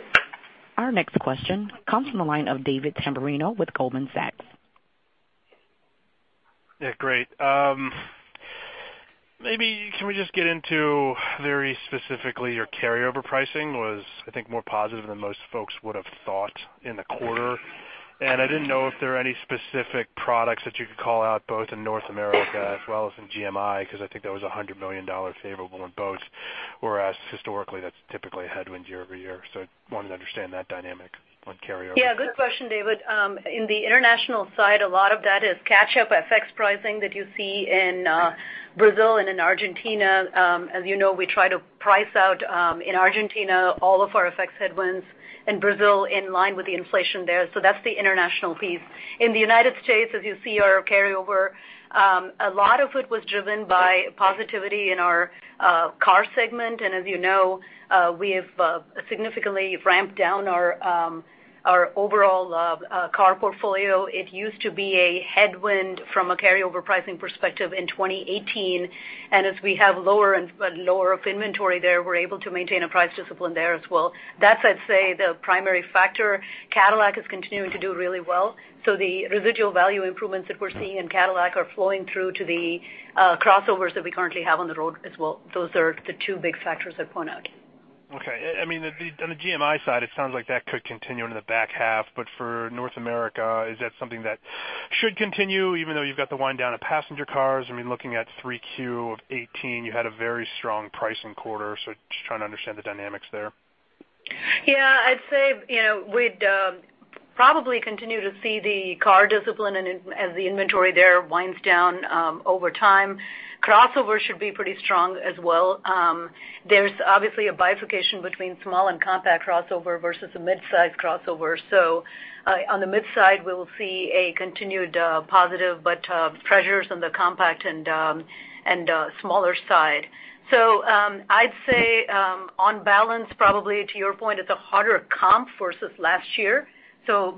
Our next question comes from the line of David Tamberrino with Goldman Sachs. Yeah, great. Can we just get into very specifically your carryover pricing was, I think, more positive than most folks would have thought in the quarter. I didn't know if there are any specific products that you could call out, both in North America as well as in GMI, because I think that was $100 million favorable in both, whereas historically, that's typically a headwind year-over-year. I wanted to understand that dynamic on carryover. Yeah, good question, David. In the international side, a lot of that is catch-up effects pricing that you see in Brazil and in Argentina. As you know, we try to price out in Argentina all of our effects headwinds and Brazil in line with the inflation there. That's the international piece. In the United States, as you see our carryover, a lot of it was driven by positivity in our car segment. As you know, we have significantly ramped down our overall car portfolio. It used to be a headwind from a carryover pricing perspective in 2018. As we have lower inventory there, we're able to maintain a price discipline there as well. That's, I'd say, the primary factor. Cadillac is continuing to do really well. The residual value improvements that we're seeing in Cadillac are flowing through to the crossovers that we currently have on the road as well. Those are the two big factors I'd point out. Okay. On the GMI side, it sounds like that could continue into the back half. For North America, is that something that should continue, even though you've got to wind down passenger cars? Looking at 3Q of 2018, you had a very strong pricing quarter, just trying to understand the dynamics there. Yeah, I'd say we'd probably continue to see the car discipline as the inventory there winds down over time. Crossovers should be pretty strong as well. There's obviously a bifurcation between small and compact crossover versus a mid-size crossover. On the mid-size, we will see a continued positive, but pressures on the compact and smaller side. I'd say on balance, probably to your point, it's a harder comp versus last year.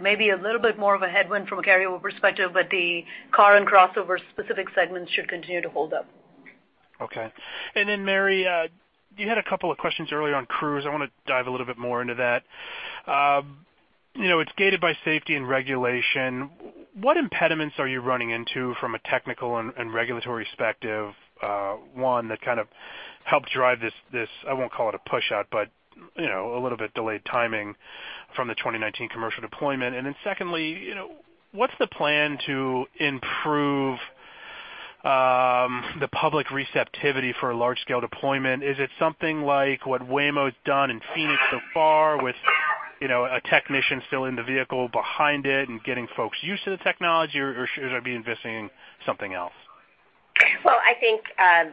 Maybe a little bit more of a headwind from a carryover perspective, but the car and crossover specific segments should continue to hold up. Okay. Mary, you had a couple of questions earlier on Cruise. I want to dive a little bit more into that. It's gated by safety and regulation. What impediments are you running into from a technical and regulatory perspective, one that kind of helped drive this, I won't call it a pushout, but a little bit delayed timing from the 2019 commercial deployment. Secondly, what's the plan to improve the public receptivity for a large-scale deployment? Is it something like what Waymo's done in Phoenix so far with a technician still in the vehicle behind it and getting folks used to the technology, or should I be investing in something else? Well, I think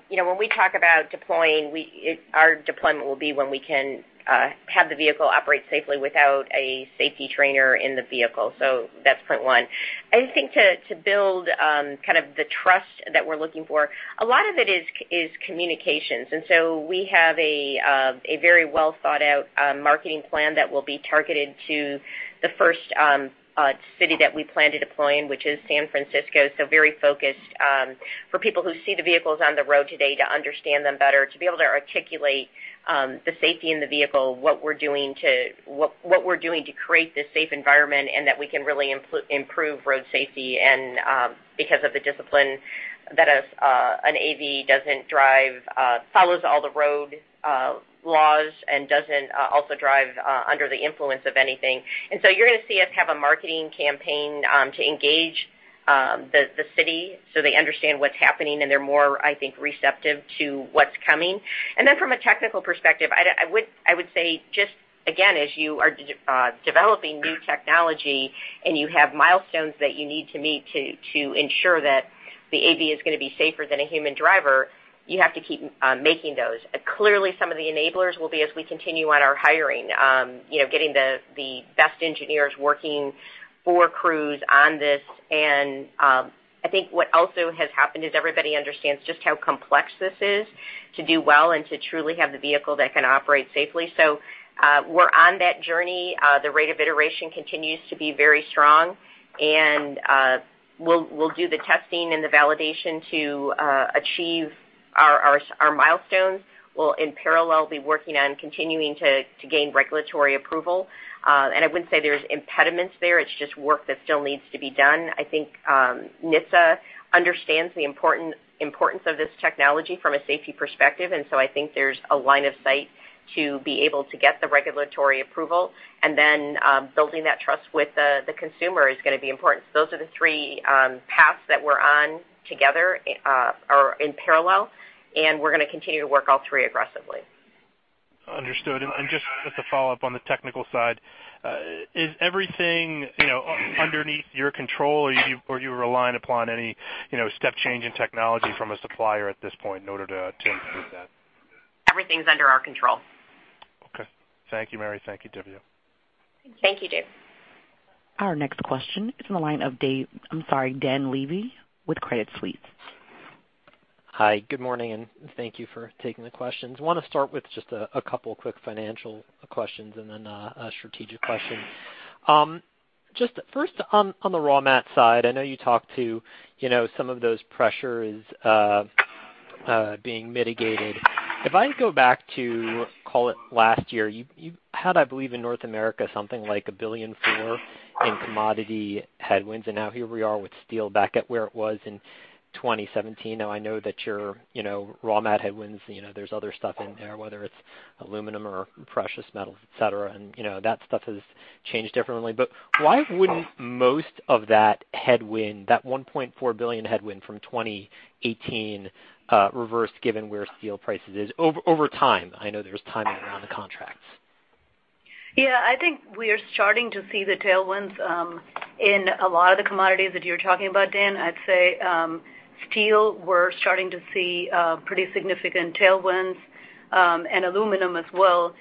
when we talk about deploying, our deployment will be when we can have the vehicle operate safely without a safety trainer in the vehicle. That's point one. I think to build the trust that we're looking for, a lot of it is communications. We have a very well-thought-out marketing plan that will be targeted to the first city that we plan to deploy in, which is San Francisco. Very focused for people who see the vehicles on the road today to understand them better, to be able to articulate the safety in the vehicle, what we're doing to create this safe environment, and that we can really improve road safety because of the discipline that an AV follows all the road laws and doesn't also drive under the influence of anything. You're going to see us have a marketing campaign to engage the city so they understand what's happening and they're more, I think, receptive to what's coming. From a technical perspective, I would say just, again, as you are developing new technology and you have milestones that you need to meet to ensure that the AV is going to be safer than a human driver, you have to keep making those. Clearly, some of the enablers will be as we continue on our hiring, getting the best engineers working for Cruise on this. I think what also has happened is everybody understands just how complex this is to do well and to truly have the vehicle that can operate safely. We're on that journey. The rate of iteration continues to be very strong, and we'll do the testing and the validation to achieve our milestones. We'll, in parallel, be working on continuing to gain regulatory approval. I wouldn't say there's impediments there. It's just work that still needs to be done. I think NHTSA understands the importance of this technology from a safety perspective, and so I think there's a line of sight to be able to get the regulatory approval. Then building that trust with the consumer is going to be important. Those are the three paths that we're on in parallel, and we're going to continue to work all three aggressively. Understood. Just as a follow-up on the technical side, is everything underneath your control or are you reliant upon any step change in technology from a supplier at this point in order to improve that? Everything's under our control. Okay. Thank you, Mary. Thank you, Dhivya. Thank you, Dave. Our next question is on the line of Dan Levy with Credit Suisse. Hi, good morning, and thank you for taking the questions. I want to start with just a couple quick financial questions and then a strategic question. Just first on the raw mat side, I know you talked to some of those pressures being mitigated. If I go back to, call it last year, you had, I believe, in North America, something like a $1.4 billion in commodity headwinds, and now here we are with steel back at where it was in 2017. I know that your raw mat headwinds, there's other stuff in there, whether it's aluminum or precious metals, et cetera, and that stuff has changed differently. Why wouldn't most of that headwind, that $1.4 billion headwind from 2018, reverse given where steel prices is over time? I know there's timing around the contracts. Yeah, I think we are starting to see the tailwinds in a lot of the commodities that you're talking about, Dan. I'd say steel, we're starting to see pretty significant tailwinds and aluminum as well.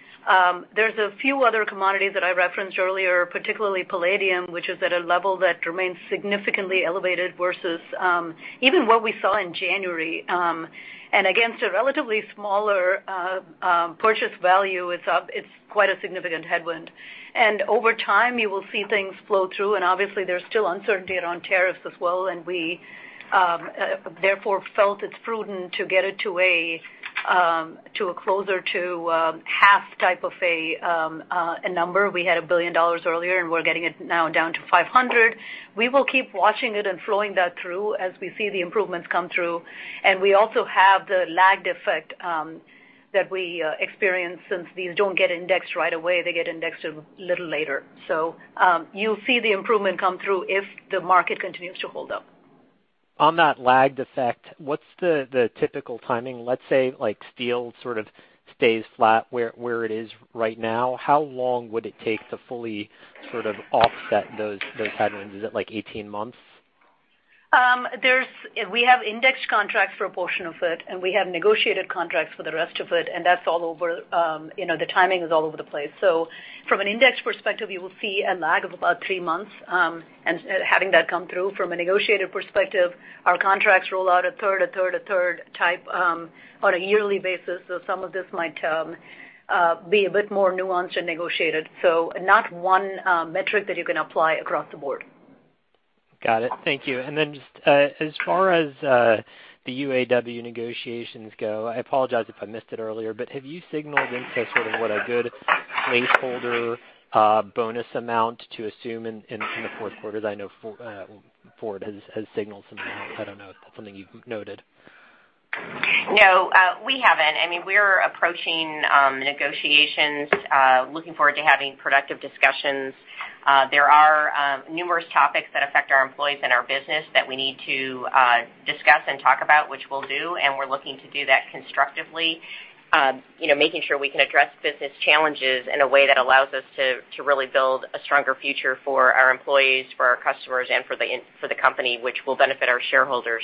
There's a few other commodities that I referenced earlier, particularly palladium, which is at a level that remains significantly elevated versus even what we saw in January. Against a relatively smaller purchase value, it's quite a significant headwind. Over time, you will see things flow through, and obviously there's still uncertainty around tariffs as well, and we therefore felt it's prudent to get it to a closer to half type of a number. We had $1 billion earlier, and we're getting it now down to $500. We will keep watching it and flowing that through as we see the improvements come through. We also have the lagged effect that we experience since these don't get indexed right away. They get indexed a little later. You'll see the improvement come through if the market continues to hold up. On that lagged effect, what's the typical timing? Let's say steel sort of stays flat where it is right now. How long would it take to fully sort of offset those headwinds? Is it like 18 months? We have indexed contracts for a portion of it, and we have negotiated contracts for the rest of it, and the timing is all over the place. From an index perspective, you will see a lag of about three months and having that come through. From a negotiated perspective, our contracts roll out a third, a third, a third type on a yearly basis. Some of this might be a bit more nuanced and negotiated. Not one metric that you can apply across the board. Got it. Thank you. Just as far as the UAW negotiations go, I apologize if I missed it earlier, but have you signaled into sort of what a good placeholder bonus amount to assume in the fourth quarter? I know Ford has signaled something. I don't know if that's something you've noted. No, we haven't. We're approaching negotiations, looking forward to having productive discussions. There are numerous topics that affect our employees and our business that we need to discuss and talk about, which we'll do, and we're looking to do that constructively. Making sure we can address business challenges in a way that allows us to really build a stronger future for our employees, for our customers, and for the company, which will benefit our shareholders.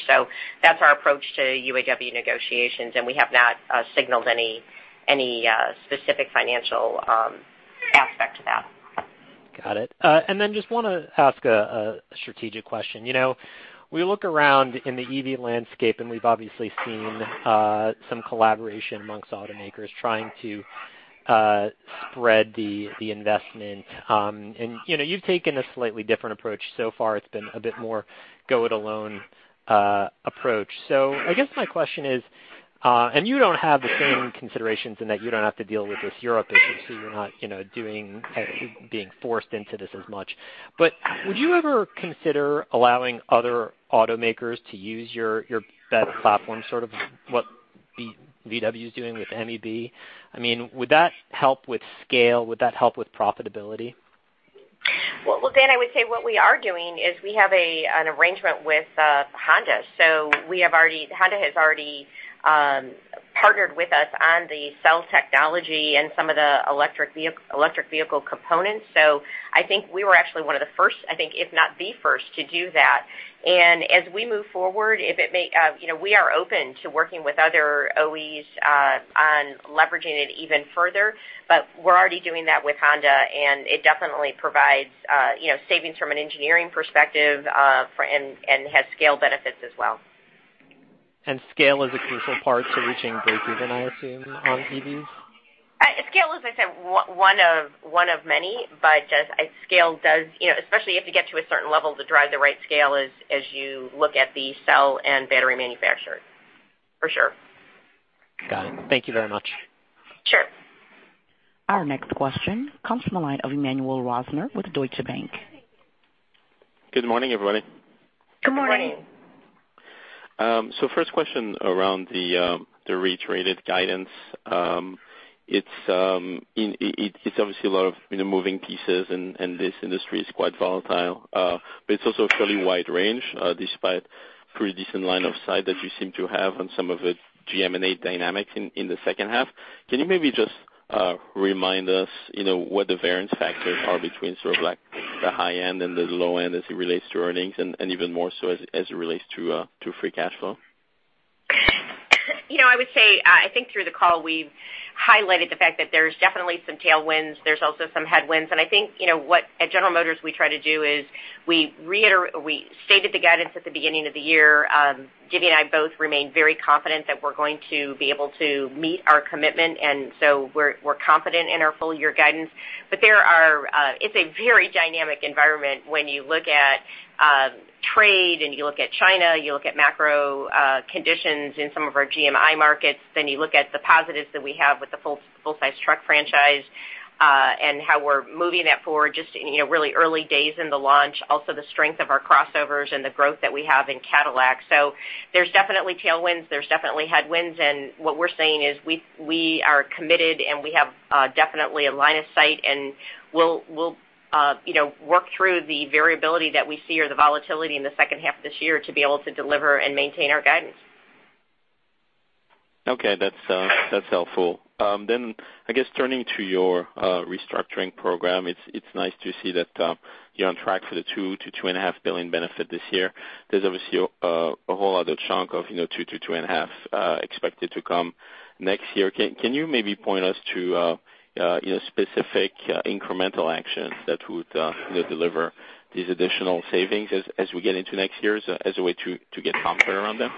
That's our approach to UAW negotiations, and we have not signaled any specific financial aspect to that. Got it. Just want to ask a strategic question. We look around in the EV landscape, and we've obviously seen some collaboration amongst automakers trying to spread the investment. You've taken a slightly different approach so far. It's been a bit more go-it-alone approach. I guess my question is, and you don't have the same considerations in that you don't have to deal with this Europe issue, so you're not being forced into this as much. Would you ever consider allowing other automakers to use your Battery Electric Vehicle platform, sort of what VW is doing with MEB? Would that help with scale? Would that help with profitability? Well, Dan, I would say what we are doing is we have an arrangement with Honda. Honda has already partnered with us on the cell technology and some of the electric vehicle components. I think we were actually one of the first, I think, if not the first to do that. As we move forward, we are open to working with other OEs on leveraging it even further. We're already doing that with Honda, and it definitely provides savings from an engineering perspective, and has scale benefits as well. Scale is a crucial part to reaching breakeven, I assume, on EVs. Scale, as I said, one of many, but scale does, especially if you get to a certain level to drive the right scale as you look at the cell and battery manufacturer, for sure. Got it. Thank you very much. Sure. Our next question comes from the line of Emmanuel Rosner with Deutsche Bank. Good morning, everybody. Good morning. First question around the reiterated guidance. It's obviously a lot of moving pieces, and this industry is quite volatile, but it's also a fairly wide range, despite pretty decent line of sight that you seem to have on some of the GMNA dynamics in the second half. Can you maybe just remind us what the variance factors are between sort of the high end and the low end as it relates to earnings, and even more so as it relates to free cash flow? I would say, I think through the call, we've highlighted the fact that there's definitely some tailwinds. There's also some headwinds. I think what at General Motors we try to do is we stated the guidance at the beginning of the year. Gigi and I both remain very confident that we're going to be able to meet our commitment, we're confident in our full-year guidance. It's a very dynamic environment when you look at trade and you look at China, you look at macro conditions in some of our GMI markets. You look at the positives that we have with the full-size truck franchise, and how we're moving that forward just really early days in the launch. Also, the strength of our crossovers and the growth that we have in Cadillac. There's definitely tailwinds, there's definitely headwinds, what we're saying is we are committed, we have definitely a line of sight, we'll work through the variability that we see or the volatility in the second half of this year to be able to deliver and maintain our guidance. Okay. That's helpful. I guess turning to your restructuring program, it's nice to see that you're on track for the $2 billion-$2.5 billion benefit this year. There's obviously a whole other chunk of $2 billion-$2.5 billion expected to come next year. Can you maybe point us to specific incremental actions that would deliver these additional savings as we get into next year as a way to get comfort around them?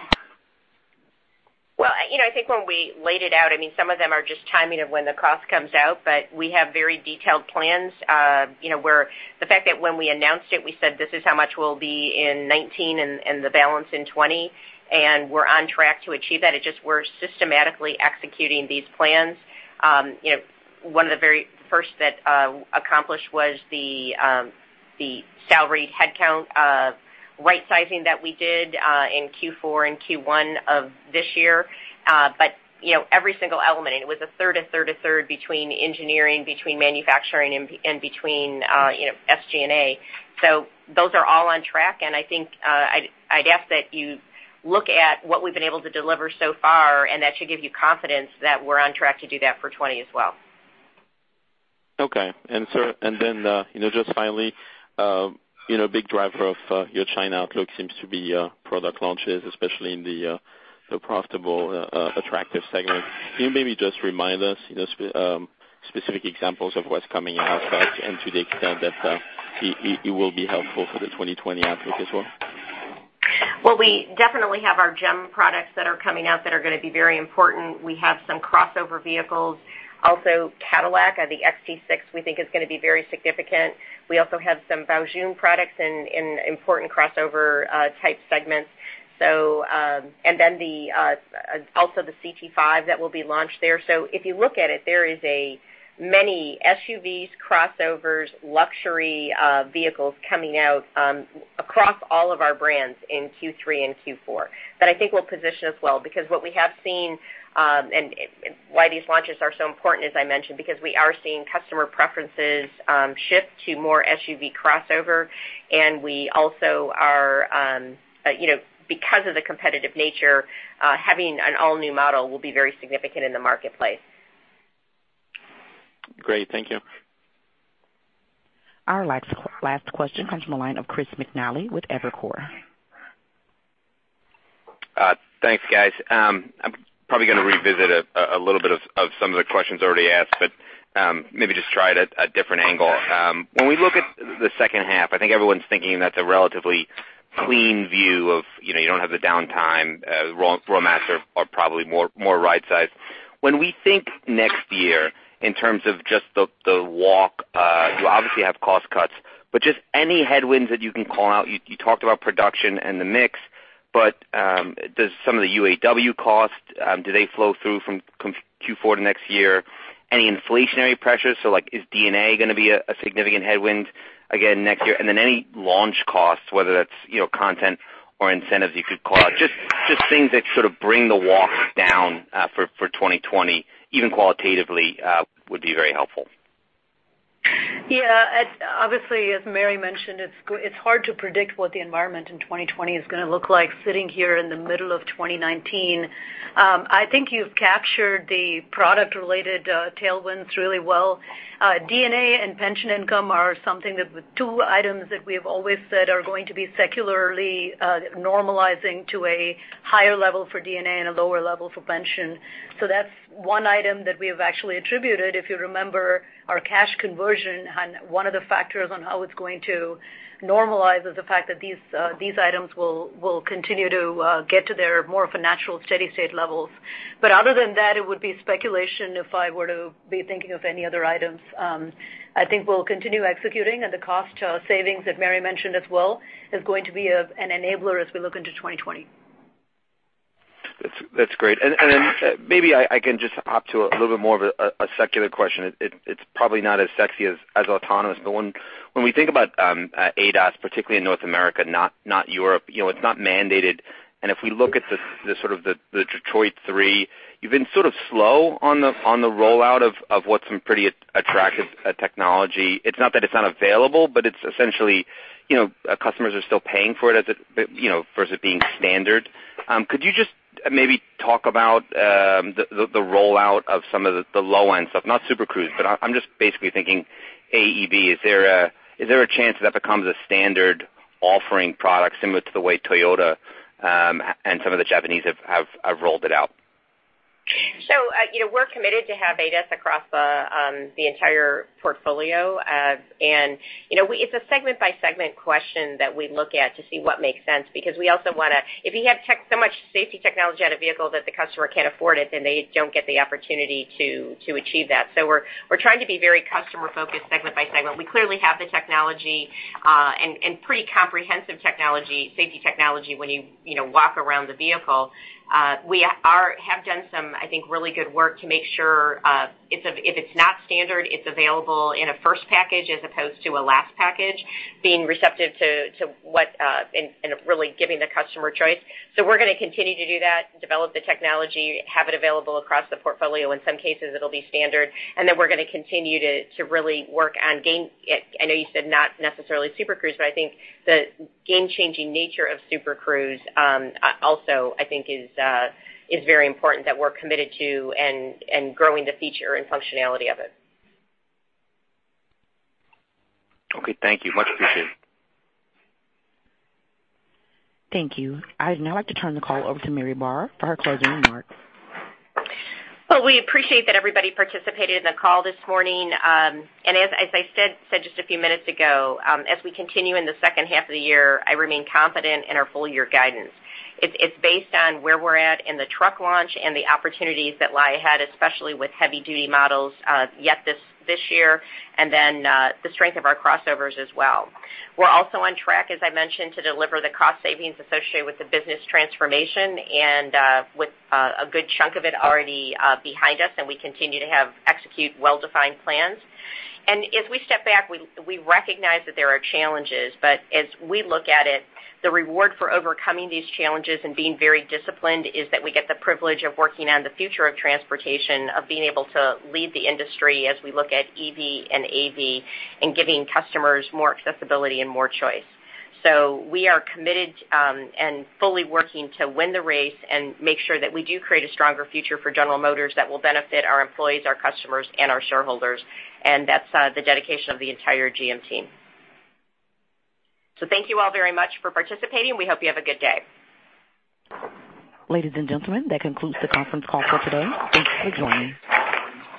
Well, I think when we laid it out, some of them are just timing of when the cost comes out, but we have very detailed plans. The fact that when we announced it, we said this is how much we'll be in 2019 and the balance in 2020, and we're on track to achieve that. It's just we're systematically executing these plans. One of the very first that accomplished was the salaried headcount right-sizing that we did in Q4 and Q1 of this year. Every single element, and it was a third, a third, a third between engineering, between manufacturing, and between SG&A. Those are all on track, and I think I'd ask that you look at what we've been able to deliver so far, and that should give you confidence that we're on track to do that for 2020 as well. Okay. Just finally, a big driver of your China outlook seems to be product launches, especially in the profitable, attractive segment. Can you maybe just remind us specific examples of what's coming out and to the extent that it will be helpful for the 2020 outlook as well? Well, we definitely have our GEM products that are coming out that are going to be very important. We have some crossover vehicles. Cadillac, the XT6 we think is going to be very significant. We also have some Wuling products in important crossover-type segments. The CT5 that will be launched there. If you look at it, there is many SUVs, crossovers, luxury vehicles coming out across all of our brands in Q3 and Q4 that I think will position us well. What we have seen, and why these launches are so important, as I mentioned, because we are seeing customer preferences shift to more SUV crossover. Because of the competitive nature, having an all-new model will be very significant in the marketplace. Great. Thank you. Our last question comes from the line of Chris McNally with Evercore ISI. Thanks, guys. I'm probably going to revisit a little bit of some of the questions already asked, but maybe just try it at a different angle. When we look at the second half, I think everyone's thinking that's a relatively clean view of you don't have the downtime. Raw materials are probably more right-sized. When we think next year, in terms of just the walk, you obviously have cost cuts, but just any headwinds that you can call out. You talked about production and the mix, but does some of the UAW cost, do they flow through from Q4 to next year? Any inflationary pressures? Like, is D&A going to be a significant headwind again next year? Then any launch costs, whether that's content or incentives you could call out, just things that sort of bring the walk down for 2020, even qualitatively, would be very helpful. Yeah. Obviously, as Mary mentioned, it's hard to predict what the environment in 2020 is going to look like sitting here in the middle of 2019. I think you've captured the product-related tailwinds really well. D&A and pension income are two items that we have always said are going to be secularly normalizing to a higher level for D&A and a lower level for pension. That's one item that we have actually attributed. If you remember our cash conversion, one of the factors on how it's going to normalize is the fact that these items will continue to get to their more of a natural steady-state levels. Other than that, it would be speculation if I were to be thinking of any other items. I think we'll continue executing, and the cost savings that Mary mentioned as well is going to be an enabler as we look into 2020. That's great. Then maybe I can just hop to a little bit more of a secular question. It's probably not as sexy as autonomous, when we think about advanced driver assistance systems, particularly in North America, not Europe, it's not mandated. If we look at the sort of the Detroit three, you've been sort of slow on the rollout of what's some pretty attractive technology. It's not that it's not available, it's essentially customers are still paying for it versus it being standard. Could you just maybe talk about the rollout of some of the low-end stuff, not Super Cruise, I'm just basically thinking automatic emergency braking. Is there a chance that becomes a standard offering product similar to the way Toyota and some of the Japanese have rolled it out? We're committed to have ADAS across the entire portfolio. It's a segment-by-segment question that we look at to see what makes sense, because we also want to If you have so much safety technology at a vehicle that the customer can't afford it, then they don't get the opportunity to achieve that. We're trying to be very customer-focused segment by segment. We clearly have the technology, and pretty comprehensive safety technology when you walk around the vehicle. We have done some, I think, really good work to make sure if it's not standard, it's available in a first package as opposed to a last package, being receptive to what, and really giving the customer choice. We're going to continue to do that, develop the technology, have it available across the portfolio. In some cases, it'll be standard. We're going to continue to really work on gain. I know you said not necessarily Super Cruise, I think the game-changing nature of Super Cruise also, I think is very important that we're committed to and growing the feature and functionality of it. Okay, thank you. Much appreciated. Thank you. I'd now like to turn the call over to Mary Barra for her closing remarks. Well, we appreciate that everybody participated in the call this morning. As I said just a few minutes ago, as we continue in the second half of the year, I remain confident in our full-year guidance. It's based on where we're at in the truck launch and the opportunities that lie ahead, especially with heavy-duty models yet this year, and then the strength of our crossovers as well. We're also on track, as I mentioned, to deliver the cost savings associated with the business transformation and with a good chunk of it already behind us, and we continue to execute well-defined plans. As we step back, we recognize that there are challenges, but as we look at it, the reward for overcoming these challenges and being very disciplined is that we get the privilege of working on the future of transportation, of being able to lead the industry as we look at EV and AV, and giving customers more accessibility and more choice. We are committed and fully working to win the race and make sure that we do create a stronger future for General Motors that will benefit our employees, our customers, and our shareholders. That's the dedication of the entire GM team. Thank you all very much for participating. We hope you have a good day. Ladies and gentlemen, that concludes the conference call for today. Thanks for joining.